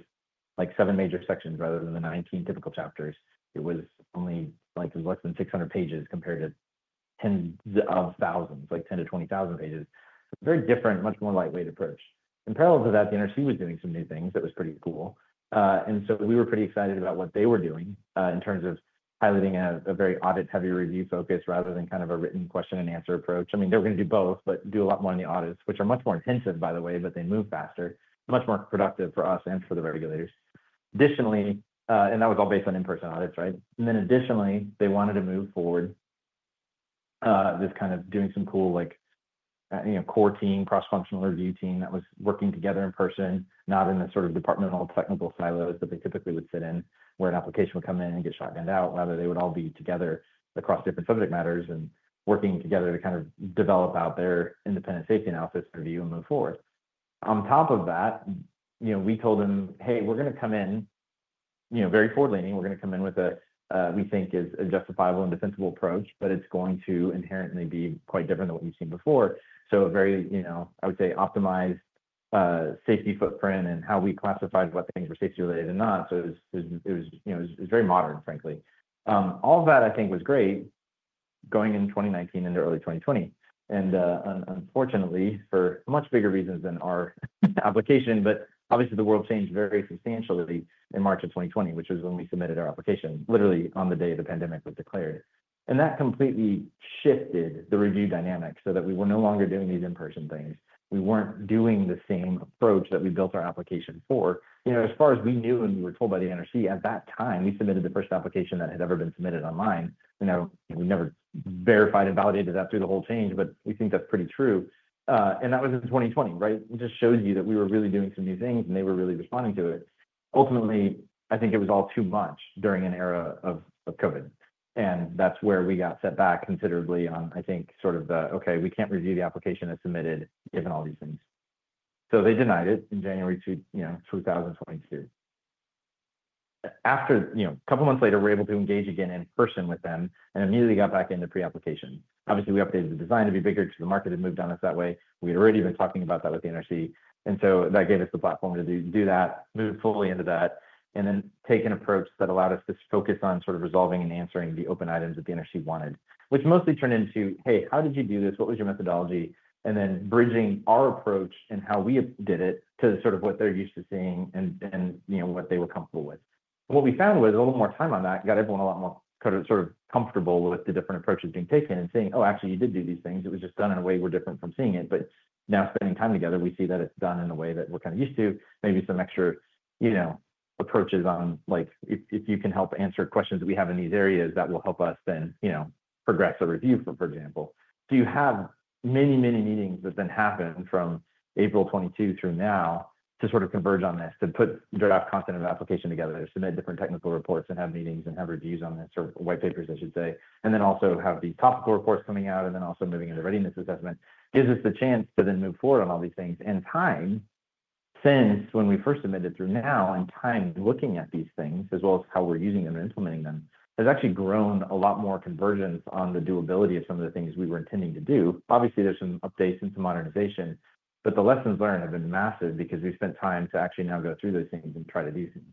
like seven major sections rather than the 19 typical chapters. It was only like less than 600 pages compared to tens of thousands, like 10,000 to 20,000 pages, very different, much more lightweight approach. In parallel to that, the NRC was doing some new things that was pretty cool. We were pretty excited about what they were doing in terms of piloting a very audit heavy review focus rather than kind of a written question and answer approach. I mean they were going to do both, but do a lot more in the audits, which are much more intensive by the way, but they move faster, much more productive for us and for the regulators additionally. That was all based on in person audits. Right. Additionally, they wanted to move forward this kind of doing some cool, like core team, cross-functional review team that was working together in person, not in the sort of departmental technical silos that they typically would sit in, where an application would come in and get shotgunned out. Rather they would all be together across different subject matters and working together to kind of develop out their independent safety analysis review and move forward. On top of that, you know, we told them, hey, we're going to come in, you know, very forward leaning. We're going to come in with a, we think is a justifiable and defensible approach, but it's going to inherently be quite different than what you've seen before. A very, you know, I would say optimized safety footprint and how we classified what things were safety related or not. It was, you know, it was very modern, frankly. All that I think was great going in 2019 into early 2020 and unfortunately for much bigger reasons than our application. Obviously the world changed very substantially in March of 2020, which was when we submitted our application literally on the day the pandemic was declared. That completely shifted the review dynamic so that we were no longer doing these in person things. We were not doing the same approach that we built our application for, you know, as far as we knew. We were told by the NRC at that time we submitted the first application that had ever been submitted online. You know, we never verified and validated that through the whole change, but we think that is pretty true. That was in 2020. Right. It just shows you that we were really doing some new things and they were really responding to it. Ultimately, I think it was all too much during an era of COVID and that's where we got set back considerably on I think sort of the, okay, we can't review the application as submitted given all these things. They denied it in January 2022 after, you know, a couple months later we're able to engage again in person with them and immediately got back into pre-application. Obviously we updated the design to be bigger because the market had moved on us that way. We had already been talking about that with the NRC and that gave us the platform to do that, move fully into that and then take an approach that allowed us to focus on sort of resolving and answering the open items that the NRC wanted, which mostly turned into, hey, how did you do this? What was your methodology? Then bridging our approach and how we did it to sort of what they're used to seeing and what they were comfortable with. What we found was a little more time on that got everyone a lot more sort of comfortable with the different approaches being taken and saying, oh, actually you did do these things, it was just done in a way we're different from seeing it. Now spending time together, we see that it's done in a way that we're kind of used to, maybe some extra approaches on, like if you can help answer questions that we have in these areas that will help us then, you know, progressive review, for example, do you have many, many meetings that then happen from April 22 through now to sort of converge on this, to put draft content of application together, submit different technical reports and have meetings and have reviews on this, or white papers, I should say, and then also have the topical reports coming out. Also, moving into readiness assessment gives us the chance to then move forward on all these things. Time since when we first submitted through now in time, looking at these things as well as how we're using them and implementing them, has actually grown a lot more convergence on the doability of some of the things we were intending to do. Obviously, there's some updates and some modernization, but the lessons learned have been massive because we spent time to actually now go through those things and try to do things.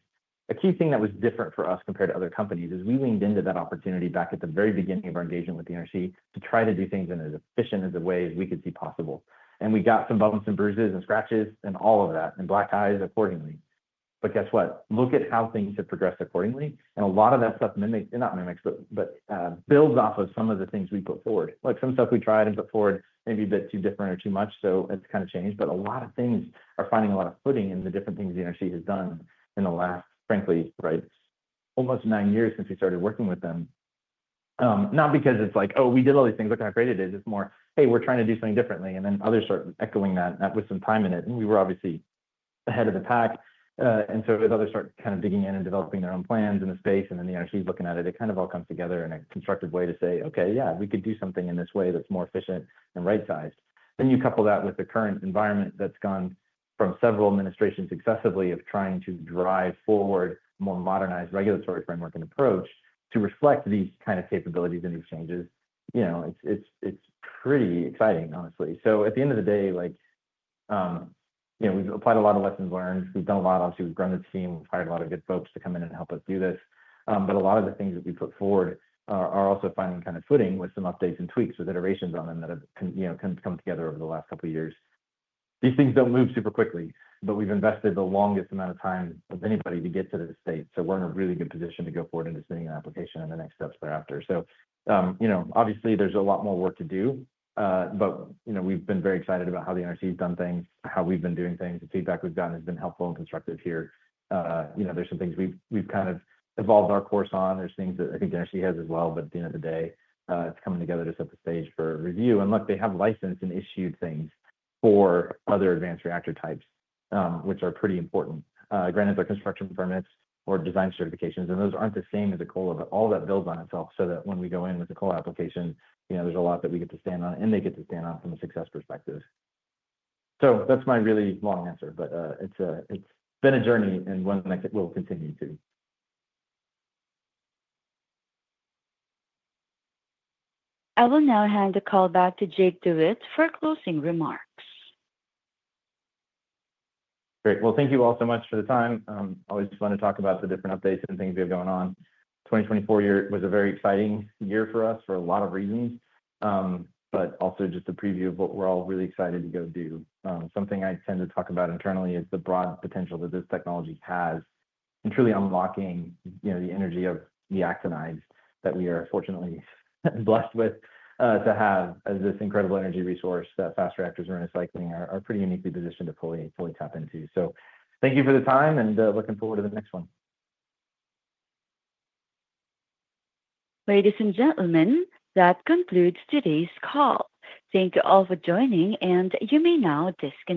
A key thing that was different for us compared to other companies is we leaned into that opportunity back at the very beginning of our engagement with the NRC to try to do things in as efficient as a way as we could see possible. We got some bumps and bruises and scratches and all of that and black eyes accordingly. Guess what? Look at how things have progressed accordingly. A lot of that stuff mimics, not mimics, but builds off of some of the things we put forward. Like some stuff we tried and put forward maybe a bit too different or too much. It is kind of changed. A lot of things are finding a lot of footing in the different things the energy has done in the last, frankly, right, almost nine years since we started working with them. Not because it is like, oh, we did all these things, look how great it is. It is more, hey, we are trying to do something differently. Then others start echoing that with some time in it. We were obviously ahead of the pack. As others start kind of digging in and developing their own plans in the space, and then the energy is looking at it, it kind of all comes together in a constructive way to say, okay, yeah, we could do something in this way that's more efficient and right sized. You couple that with the current environment that's gone from several administrations successively of trying to drive forward more modernized regulatory framework and approach to reflect these kind of capabilities and exchanges, you know, it's pretty exciting, honestly. At the end of the day, like, you know, we've applied a lot of lessons learned, we've done a lot, obviously, we've grown this team. We've hired a lot of good folks to come in and help us do this. A lot of the things that we put forward are also finding kind of footing with some updates and tweaks with iterations on them that have, you know, come together over the last couple years. These things do not move super quickly, but we have invested the longest amount of time of anybody to get to this state. We are in a really good position to go forward into submitting an application and the next steps thereafter. You know, obviously there is a lot more work to do, but, you know, we have been very excited about how the NRC has done things, how we have been doing things. The feedback we have gotten has been helpful and constructive here. You know, there are some things we have kind of evolved our course on. are things that I think the energy has as well, but at the end of the day, it is coming together to set the stage for review. Look, they have licensed and issued things for other advanced reactor types which are pretty important, granted construction permits or design certifications, and those are not the same as a COLA. All that builds on itself so that when we go in with the COLA application, there is a lot that we get to stand on and they get to stand on from a success perspective. That is my really long answer. It has been a journey and one that will continue to. I will now hand the call back to Jake DeWitte for closing remarks. Great. Thank you all so much for the time. I just want to talk about the different updates and things we have going on. 2024 was a very exciting year for us for a lot of reasons, but also just a preview of what we are all really excited to go do. Something I tend to talk about internally is the broad potential that this technology has, and truly unlocking the energy of the actinides that we are fortunately blessed with to have this incredible energy resource that fast reactors and recycling are pretty uniquely positioned to fully tap into. Thank you for the time, and looking forward to the next one. Ladies and gentlemen, that concludes today's call. Thank you all for joining and you may now disconnect.